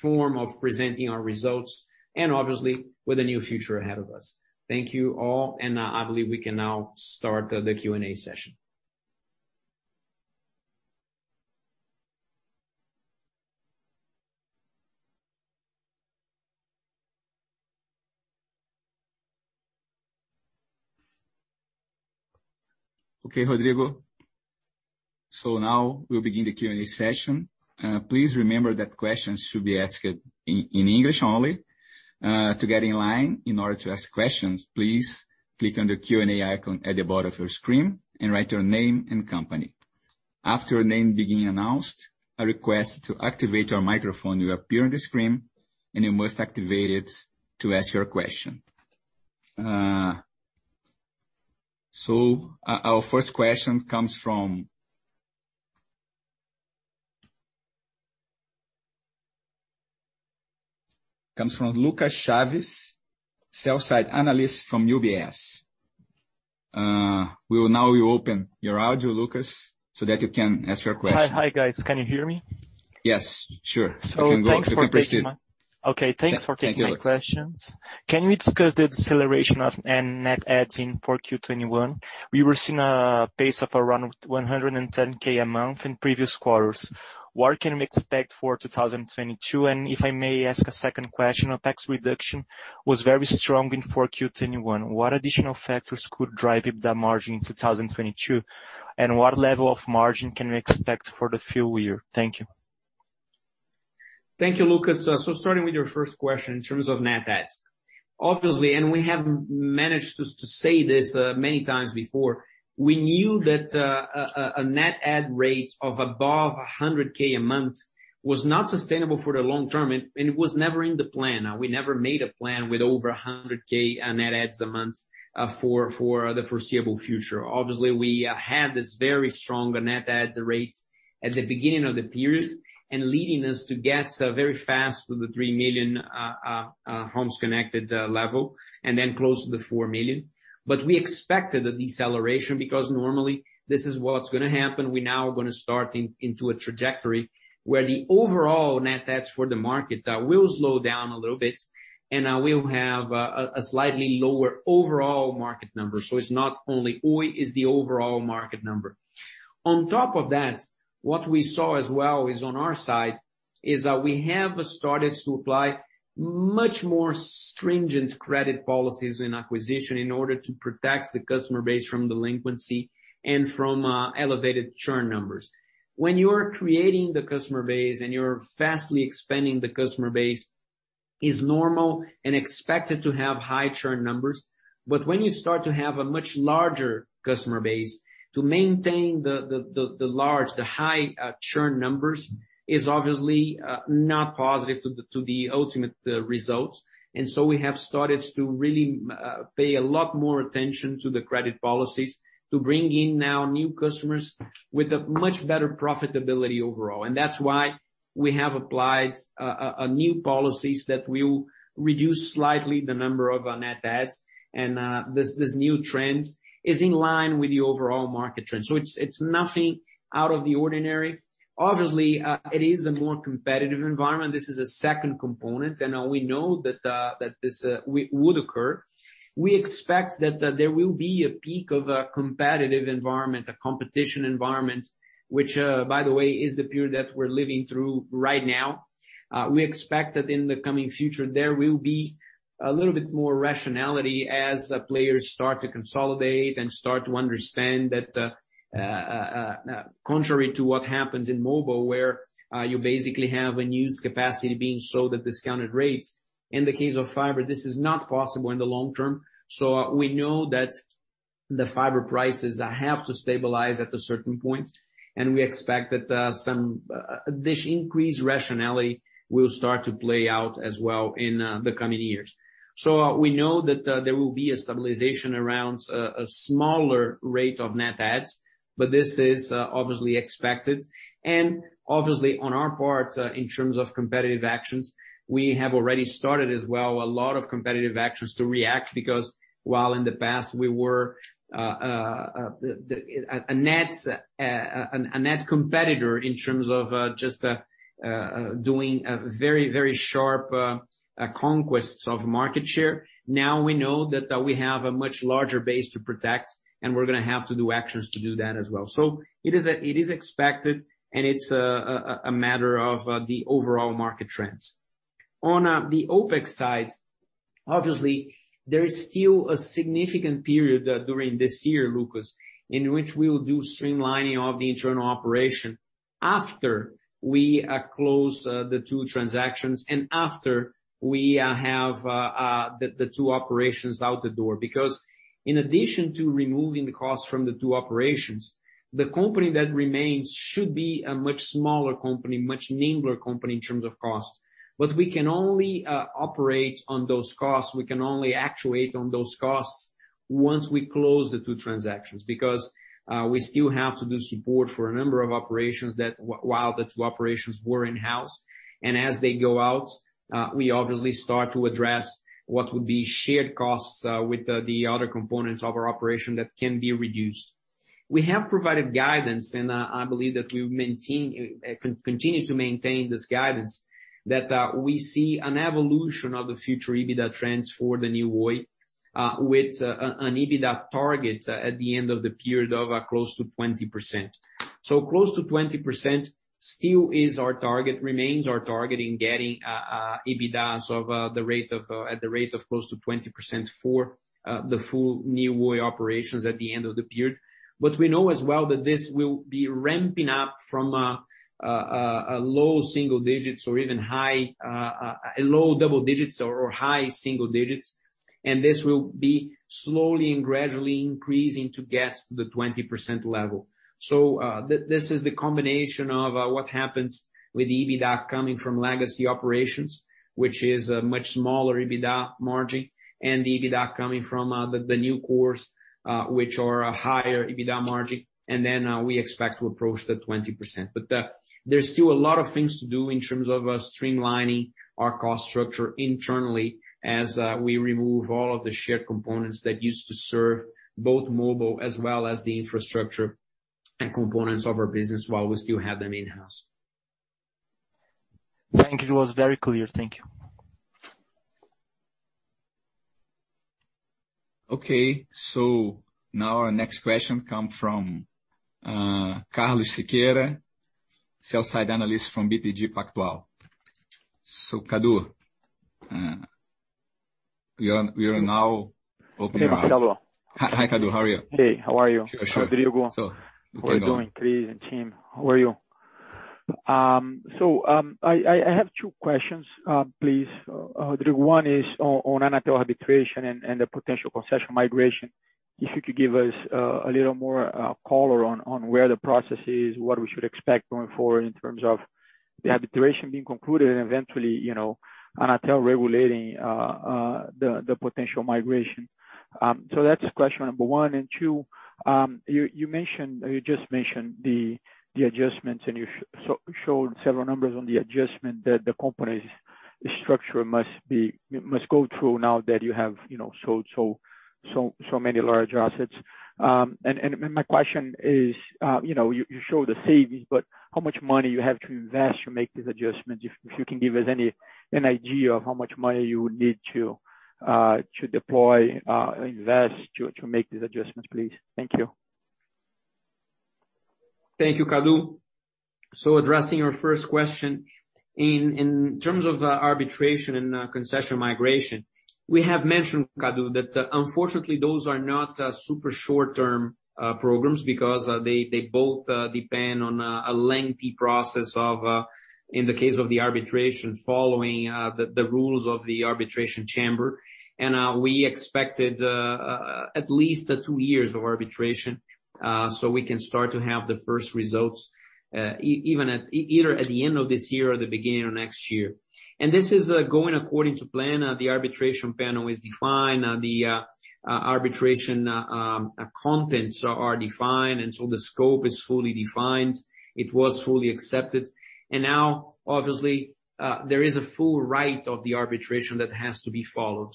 form of presenting our results and obviously with a new future ahead of us. Thank you all. I believe we can now start the Q&A session. Okay, Rodrigo. Now we'll begin the Q&A session. Please remember that questions should be asked in English only. To get in line, in order to ask questions, please click on the Q&A icon at the bottom of your screen and write your name and company. After your name being announced, a request to activate your microphone will appear on the screen, and you must activate it to ask your question. Our first question comes from Lucas Sodré, sell-side analyst from UBS. We will now open your audio, Leonardo, so that you can ask your question. Hi. Hi, guys. Can you hear me? Yes, sure. You can go ahead with your question. Thanks for taking my. Yeah. Thank you, Lucas Sodré. Okay, thanks for taking my questions. Can you discuss the deceleration of net adds in 4Q21? We were seeing a pace of around 110K a month in previous quarters. What can we expect for 2022? And if I may ask a second question, OpEx reduction was very strong in 4Q 2021. What additional factors could drive up that margin in 2022? And what level of margin can we expect for the full year? Thank you. Thank you, Lucas. Starting with your first question in terms of net adds. Obviously, we have managed to say this many times before, we knew that a net add rate of above 100K a month was not sustainable for the long term, and it was never in the plan. We never made a plan with over 100K net adds a month for the foreseeable future. Obviously, we had this very strong net adds rates at the beginning of the period, and leading us to get very fast to the 3 million homes connected level, and then close to the 4 million. We expected the deceleration because normally this is what's gonna happen. We now are gonna start into a trajectory where the overall net adds for the market will slow down a little bit, and we'll have a slightly lower overall market number. It's not only Oi. It's the overall market number. On top of that, what we saw as well is on our side that we have started to apply much more stringent credit policies in acquisition in order to protect the customer base from delinquency and from elevated churn numbers. When you are creating the customer base, and you're fast expanding the customer base, is normal and expected to have high churn numbers. When you start to have a much larger customer base, to maintain the high churn numbers is obviously not positive to the ultimate results. We have started to really pay a lot more attention to the credit policies to bring in now new customers with a much better profitability overall. That's why we have applied a new policies that will reduce slightly the number of our net adds. This new trends is in line with the overall market trend. It's nothing out of the ordinary. Obviously it is a more competitive environment. This is a second component, and we know that this would occur. We expect that there will be a peak of a competitive environment, a competition environment, which by the way is the period that we're living through right now. We expect that in the coming future, there will be a little bit more rationality as players start to consolidate and start to understand that, contrary to what happens in mobile, where you basically have unused capacity being sold at discounted rates. In the case of fiber, this is not possible in the long term. We know that the fiber prices have to stabilize at a certain point, and we expect that some this increased rationality will start to play out as well in the coming years. We know that there will be a stabilization around a smaller rate of net adds, but this is obviously expected. Obviously, on our part, in terms of competitive actions, we have already started as well, a lot of competitive actions to react. While in the past we were a net competitor in terms of just doing a very sharp conquest of market share, now we know that we have a much larger base to protect, and we're gonna have to do actions to do that as well. It is expected, and it's a matter of the overall market trends. On the OpEx side, obviously, there is still a significant period during this year, Lucas, in which we'll do streamlining of the internal operation after we close the two transactions and after we have the two operations out the door. Because in addition to removing the costs from the two operations, the company that remains should be a much smaller company, much nimbler company in terms of costs. We can only operate on those costs, we can only actuate on those costs once we close the two transactions. We still have to do support for a number of operations that while the two operations were in-house, and as they go out, we obviously start to address what would be shared costs with the other components of our operation that can be reduced. We have provided guidance, and I believe that we continue to maintain this guidance that we see an evolution of the future EBITDA trends for the New Oi with an EBITDA target at the end of the period of close to 20%. Close to 20% still is our target, remains our target in getting an EBITDA margin of close to 20% for the full New Oi operations at the end of the period. We know as well that this will be ramping up from low single digits or even high single digits or low double digits, and this will be slowly and gradually increasing to get the 20% level. This is the combination of what happens with EBITDA coming from legacy operations, which is a much smaller EBITDA margin, and the EBITDA coming from the new cores, which are a higher EBITDA margin, and then we expect to approach the 20%. There's still a lot of things to do in terms of streamlining our cost structure internally as we remove all of the shared components that used to serve both mobile as well as the infrastructure and components of our business while we still have them in-house. Thank you. It was very clear. Thank you. Okay, now our next question come from Carlos Sequeira, sell-side analyst from BTG Pactual. Cadu, we are now opening our. Hey, Marcelo. Hi, Cadu. How are you? Hey, how are you? Sure, sure. How's the day going? Continue on. How are you doing, Chris and team? How are you? I have two questions, please. The one is on Anatel arbitration and the potential concession migration. If you could give us a little more color on where the process is, what we should expect going forward in terms of the arbitration being concluded and eventually, you know, Anatel regulating the potential migration. That's question number one. Two, you mentioned, or you just mentioned the adjustments, and you showed several numbers on the adjustment that the company's structure must go through now that you have, you know, sold so many large assets. My question is, you know, you showed the savings, but how much money you have to invest to make these adjustments? If you can give us any idea of how much money you would need to deploy, invest to make these adjustments, please. Thank you. Thank you, Cadu. Addressing your first question, in terms of arbitration and concession migration, we have mentioned, Cadu, that unfortunately, those are not super short-term programs because they both depend on a lengthy process of, in the case of the arbitration, following the rules of the arbitration chamber. We expected at least two years of arbitration so we can start to have the first results either at the end of this year or the beginning of next year. This is going according to plan. The arbitration panel is defined. The arbitration contents are defined, and so the scope is fully defined. It was fully accepted. Now, obviously, there is a full right of the arbitration that has to be followed.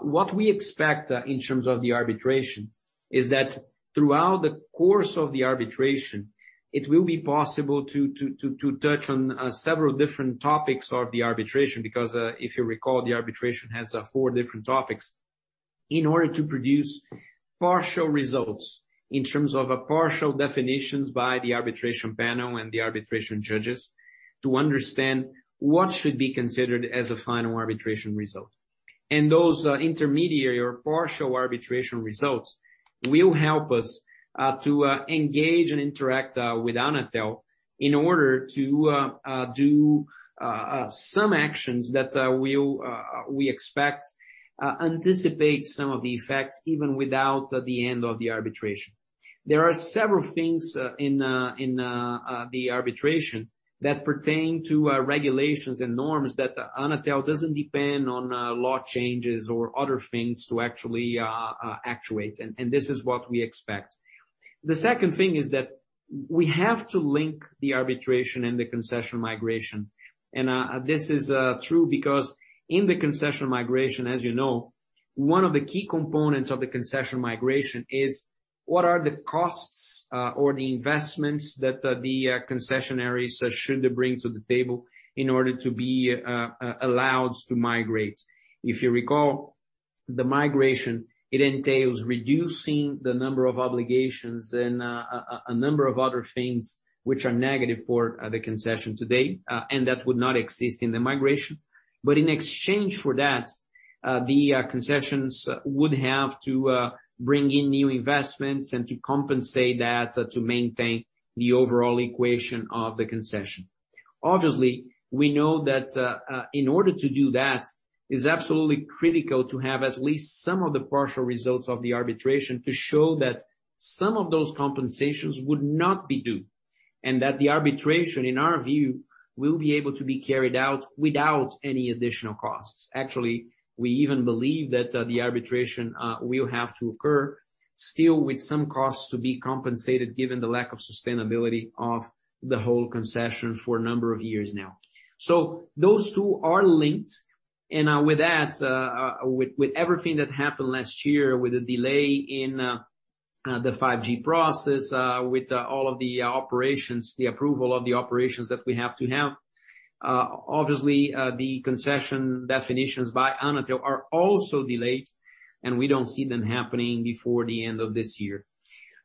What we expect in terms of the arbitration is that throughout the course of the arbitration, it will be possible to touch on several different topics of the arbitration, because if you recall, the arbitration has four different topics, in order to produce partial results in terms of a partial definitions by the arbitration panel and the arbitration judges to understand what should be considered as a final arbitration result. Those intermediary or partial arbitration results will help us to engage and interact with Anatel in order to do some actions that will, we expect, anticipate some of the effects even without the end of the arbitration. There are several things in the arbitration that pertain to regulations and norms that Anatel doesn't depend on law changes or other things to actually actuate. This is what we expect. The second thing is that we have to link the arbitration and the concession migration. This is true because in the concession migration, as you know, one of the key components of the concession migration is what are the costs or the investments that the concessionary should bring to the table in order to be allowed to migrate. If you recall the migration, it entails reducing the number of obligations and a number of other things which are negative for the concession today and that would not exist in the migration. In exchange for that, the concessions would have to bring in new investments and to compensate that to maintain the overall equation of the concession. Obviously, we know that in order to do that, it's absolutely critical to have at least some of the partial results of the arbitration to show that some of those compensations would not be due, and that the arbitration, in our view, will be able to be carried out without any additional costs. Actually, we even believe that the arbitration will have to occur still with some costs to be compensated given the lack of sustainability of the whole concession for a number of years now. Those two are linked. With that, with everything that happened last year, with the delay in the 5G process, with all of the operations, the approval of the operations that we have to have, obviously, the concession definitions by Anatel are also delayed, and we don't see them happening before the end of this year.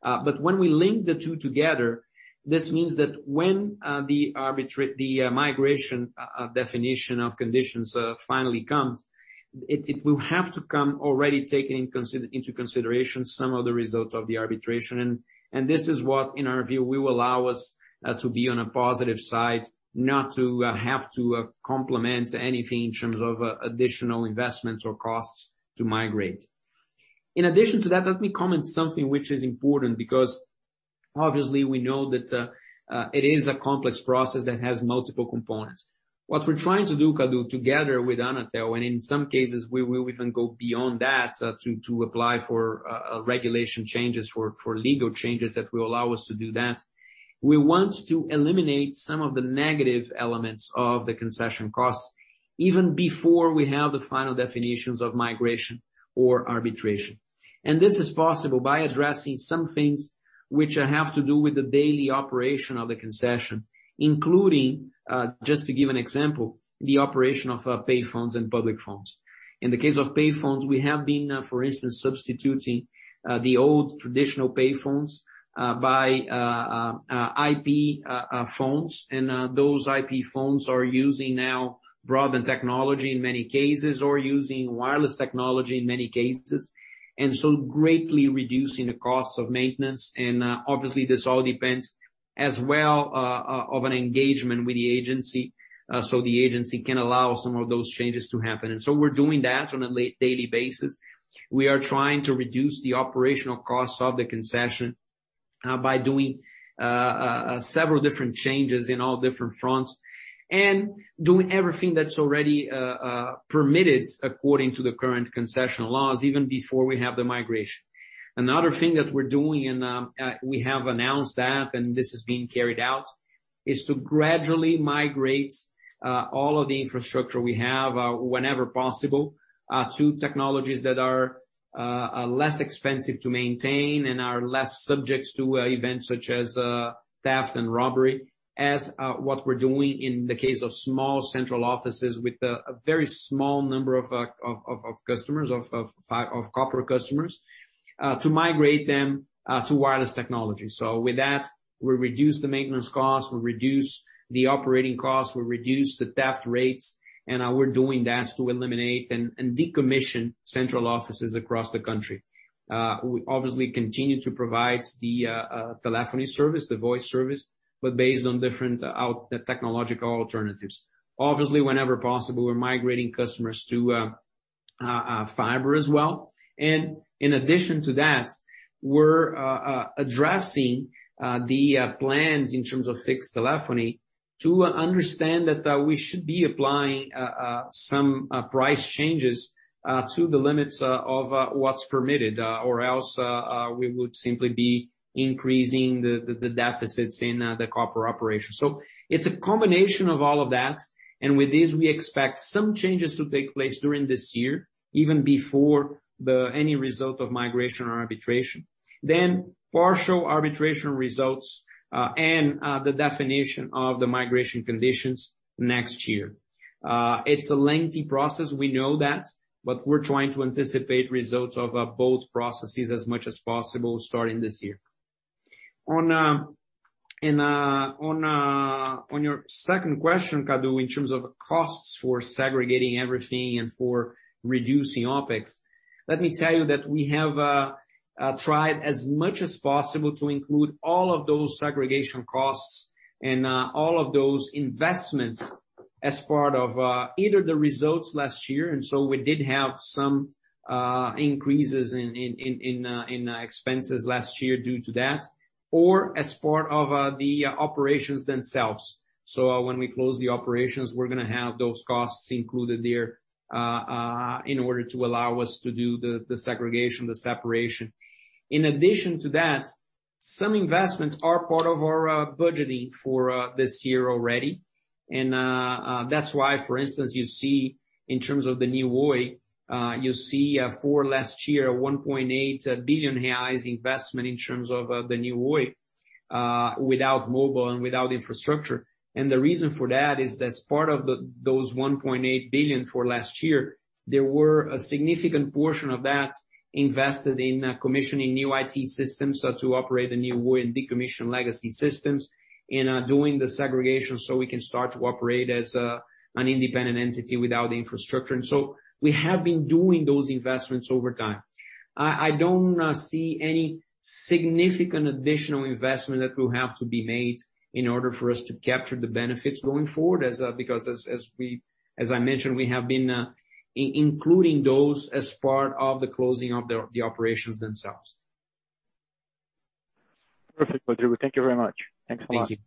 When we link the two together, this means that when the migration definition of conditions finally comes, it will have to come already taking into consideration some of the results of the arbitration. And this is what, in our view, will allow us to be on a positive side, not to have to complement anything in terms of additional investments or costs to migrate. In addition to that, let me comment something which is important because obviously we know that it is a complex process that has multiple components. What we're trying to do, Cadu, together with Anatel, and in some cases we will even go beyond that, to apply for regulatory changes, for legal changes that will allow us to do that. We want to eliminate some of the negative elements of the concession costs even before we have the final definitions of migration or arbitration. This is possible by addressing some things which have to do with the daily operation of the concession, including, just to give an example, the operation of payphones and public phones. In the case of payphones, we have been, for instance, substituting the old traditional payphones by IP phones. Those IP phones are using now broadband technology in many cases or using wireless technology in many cases, and so greatly reducing the costs of maintenance. Obviously, this all depends as well of an engagement with the agency, so the agency can allow some of those changes to happen. We're doing that on a daily basis. We are trying to reduce the operational costs of the concession by doing several different changes in all different fronts, and doing everything that's already permitted according to the current concessional laws, even before we have the migration. Another thing that we're doing, and we have announced that, and this is being carried out, is to gradually migrate all of the infrastructure we have, whenever possible, to technologies that are less expensive to maintain and are less subject to events such as theft and robbery. As what we're doing in the case of small central offices with a very small number of corporate customers to migrate them to wireless technology. With that, we reduce the maintenance costs, we reduce the operating costs, we reduce the theft rates, and we're doing that to eliminate and decommission central offices across the country. We obviously continue to provide the telephony service, the voice service, but based on different technological alternatives. Obviously, whenever possible, we're migrating customers to fiber as well. In addition to that, we're addressing the plans in terms of fixed telephony to understand that we should be applying some price changes to the limits of what's permitted, or else we would simply be increasing the deficits in the copper operation. It's a combination of all of that. With this, we expect some changes to take place during this year, even before any result of migration or arbitration. Partial arbitration results and the definition of the migration conditions next year. It's a lengthy process, we know that, but we're trying to anticipate results of both processes as much as possible starting this year. On your second question, Cadu, in terms of costs for segregating everything and for reducing OpEx, let me tell you that we have tried as much as possible to include all of those segregation costs and all of those investments as part of either the results last year. We did have some increases in expenses last year due to that, or as part of the operations themselves. When we close the operations, we're gonna have those costs included there in order to allow us to do the segregation, the separation. In addition to that, some investments are part of our budgeting for this year already. That's why, for instance, you see in terms of the New Oi, you see, for last year, 1.8 billion investment in terms of the New Oi, without mobile and without infrastructure. The reason for that is that those 1.8 billion for last year, there were a significant portion of that invested in commissioning new IT systems to operate the New Oi and decommission legacy systems in doing the segregation so we can start to operate as an independent entity without infrastructure. We have been doing those investments over time. I don't see any significant additional investment that will have to be made in order for us to capture the benefits going forward as, because as we. As I mentioned, we have been including those as part of the closing of the operations themselves. Perfect, Rodrigo. Thank you very much. Thanks a lot. Thank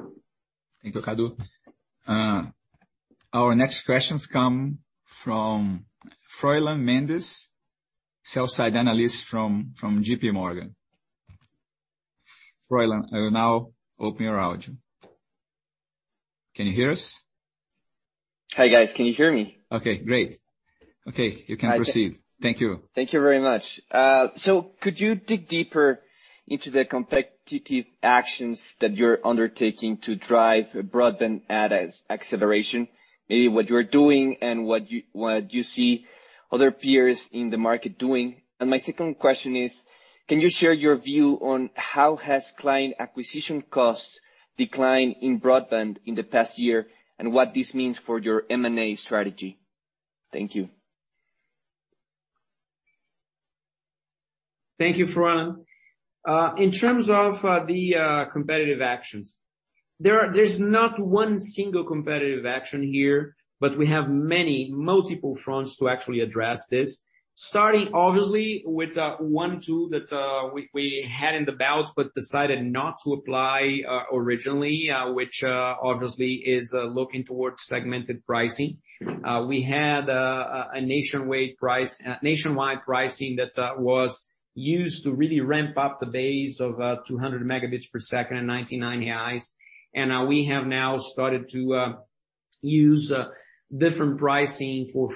you. Thank you, Cadu. Our next questions come from Froylán Méndez, sell-side analyst from J.P. Morgan. Froylán, I will now open your audio. Can you hear us? Hi, guys. Can you hear me? Okay, great. Okay, you can proceed. Thank you. Thank you very much. Could you dig deeper into the competitive actions that you're undertaking to drive broadband adds acceleration? Maybe what you're doing and what you see other peers in the market doing. My second question is, can you share your view on how has client acquisition costs declined in broadband in the past year and what this means for your M&A strategy? Thank you. Thank you, Froylán. In terms of the competitive actions, there's not one single competitive action here, but we have many multiple fronts to actually address this. Starting obviously with one tool that we had in the belt but decided not to apply originally, which obviously is looking towards segmented pricing. We had a nationwide pricing that was used to really ramp up the base of 200 Mbps in 99 reais. We have now started to use different pricing for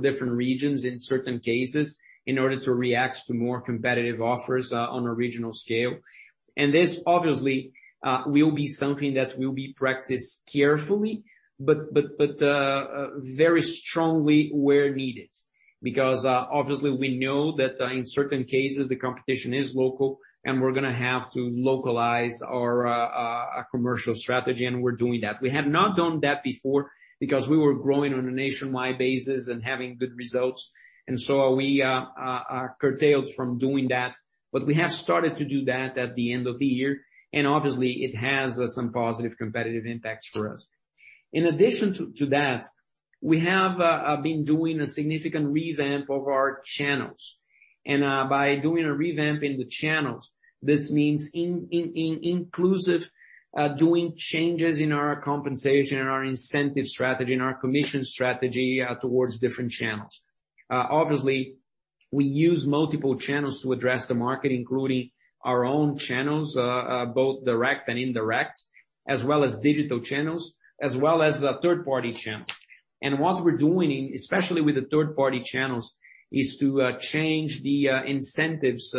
different regions in certain cases in order to react to more competitive offers on a regional scale. This obviously will be something that will be practiced carefully, but very strongly where needed. Because obviously we know that in certain cases the competition is local, and we're gonna have to localize our commercial strategy, and we're doing that. We have not done that before because we were growing on a nationwide basis and having good results. We are curtailed from doing that. We have started to do that at the end of the year, and obviously it has some positive competitive impacts for us. In addition to that, we have been doing a significant revamp of our channels. By doing a revamp in the channels, this means inclusive doing changes in our compensation and our incentive strategy and our commission strategy towards different channels. Obviously, we use multiple channels to address the market, including our own channels, both direct and indirect, as well as digital channels, as well as third-party channels. What we're doing, especially with the third-party channels, is to change the incentives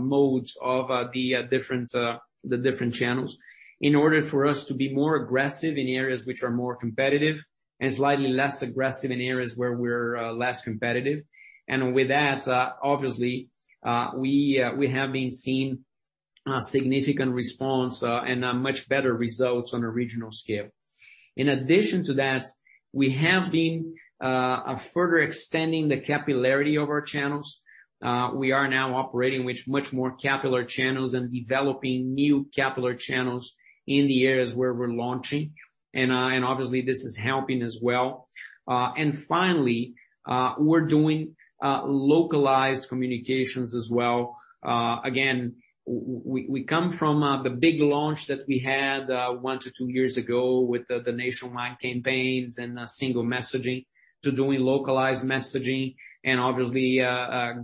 modes of the different channels in order for us to be more aggressive in areas which are more competitive and slightly less aggressive in areas where we're less competitive. With that, obviously, we have been seeing significant response and much better results on a regional scale. In addition to that, we have been further extending the capillarity of our channels. We are now operating with much more capillary channels and developing new capillary channels in the areas where we're launching. Obviously this is helping as well. Finally, we're doing localized communications as well. Again, we come from the big launch that we had 1-2 years ago with the nationwide campaigns and a single messaging to doing localized messaging and obviously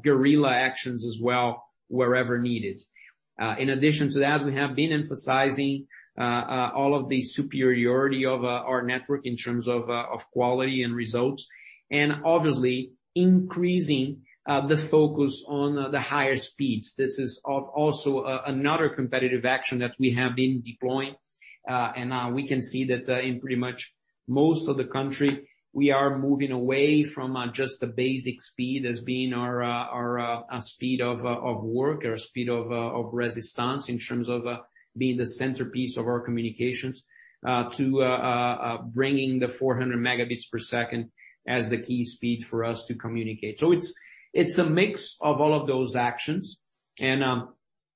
guerrilla actions as well wherever needed. In addition to that, we have been emphasizing all of the superiority of our network in terms of quality and results, and obviously increasing the focus on the higher speeds. This is also another competitive action that we have been deploying. We can see that in pretty much most of the country we are moving away from just the basic speed as being our speed of work or speed of resistance in terms of being the centerpiece of our communications to bringing 400 Mbps as the key speed for us to communicate. It's a mix of all of those actions.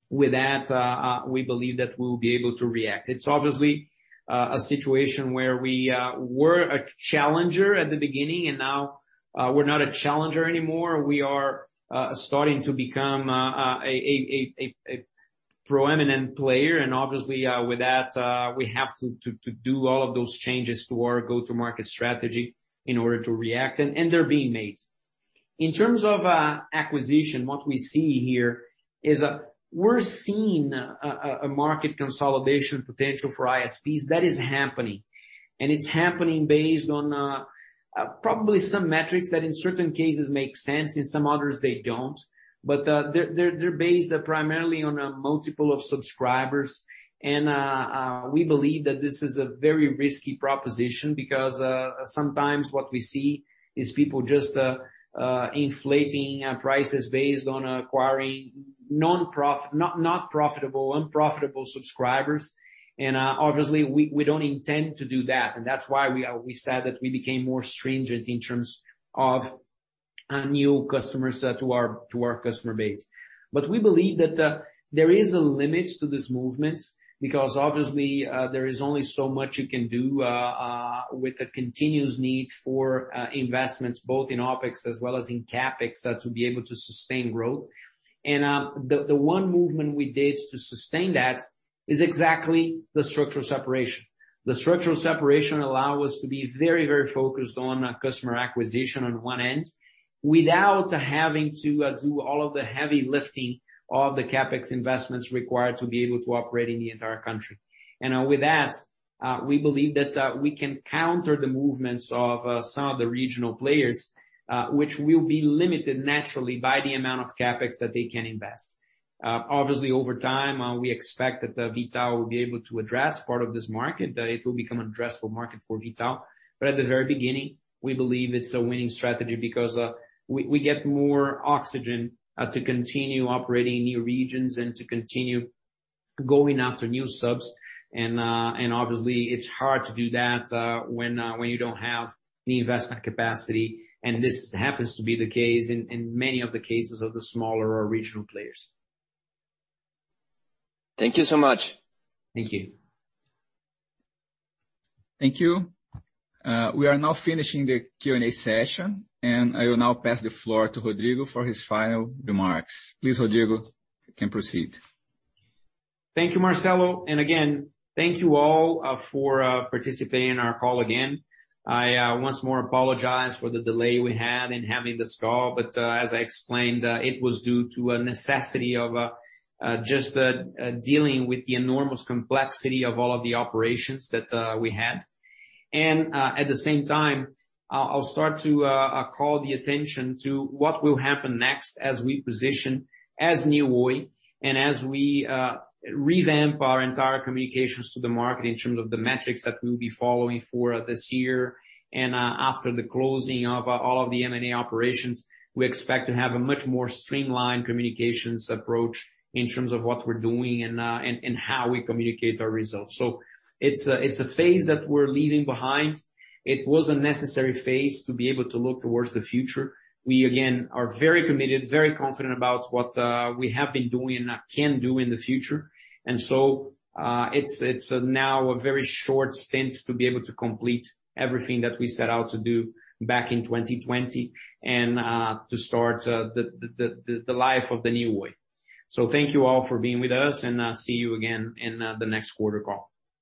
With that, we believe that we'll be able to react. It's obviously a situation where we're a challenger at the beginning, and now we're not a challenger anymore. We are starting to become a prominent player. Obviously, with that, we have to do all of those changes to our go-to-market strategy in order to react. They're being made. In terms of acquisition, what we see here is, we're seeing a market consolidation potential for ISPs. That is happening. It's happening based on probably some metrics that in certain cases make sense, in some others they don't. They're based primarily on a multiple of subscribers. We believe that this is a very risky proposition because sometimes what we see is people just inflating prices based on acquiring unprofitable subscribers. Obviously we don't intend to do that. That's why we said that we became more stringent in terms of new customers to our customer base. We believe that there is a limit to this movement because obviously there is only so much you can do with the continuous need for investments both in OpEx as well as in CapEx to be able to sustain growth. The one movement we did to sustain that is exactly the structural separation. The structural separation allow us to be very, very focused on customer acquisition on one end, without having to do all of the heavy lifting of the CapEx investments required to be able to operate in the entire country. With that, we believe that we can counter the movements of some of the regional players, which will be limited naturally by the amount of CapEx that they can invest. Obviously, over time, we expect that the V.tal will be able to address part of this market, that it will become an addressable market for V.tal. At the very beginning, we believe it's a winning strategy because we get more oxygen to continue operating in new regions and to continue going after new subs. Obviously it's hard to do that when you don't have the investment capacity. This happens to be the case in many of the cases of the smaller or regional players. Thank you so much. Thank you. Thank you. We are now finishing the Q&A session, and I will now pass the floor to Rodrigo for his final remarks. Please, Rodrigo, you can proceed. Thank you, Marcelo. Again, thank you all for participating in our call again. I once more apologize for the delay we had in having this call. As I explained, it was due to a necessity of just dealing with the enormous complexity of all of the operations that we had. At the same time, I'll start to call the attention to what will happen next as we position as New Oi and as we revamp our entire communications to the market in terms of the metrics that we'll be following for this year. After the closing of all of the M&A operations, we expect to have a much more streamlined communications approach in terms of what we're doing and how we communicate our results. It's a phase that we're leaving behind. It was a necessary phase to be able to look towards the future. We again are very committed, very confident about what we have been doing and can do in the future. It's now a very short stint to be able to complete everything that we set out to do back in 2020 and to start the life of the New Oi. Thank you all for being with us, and I'll see you again in the next quarter call.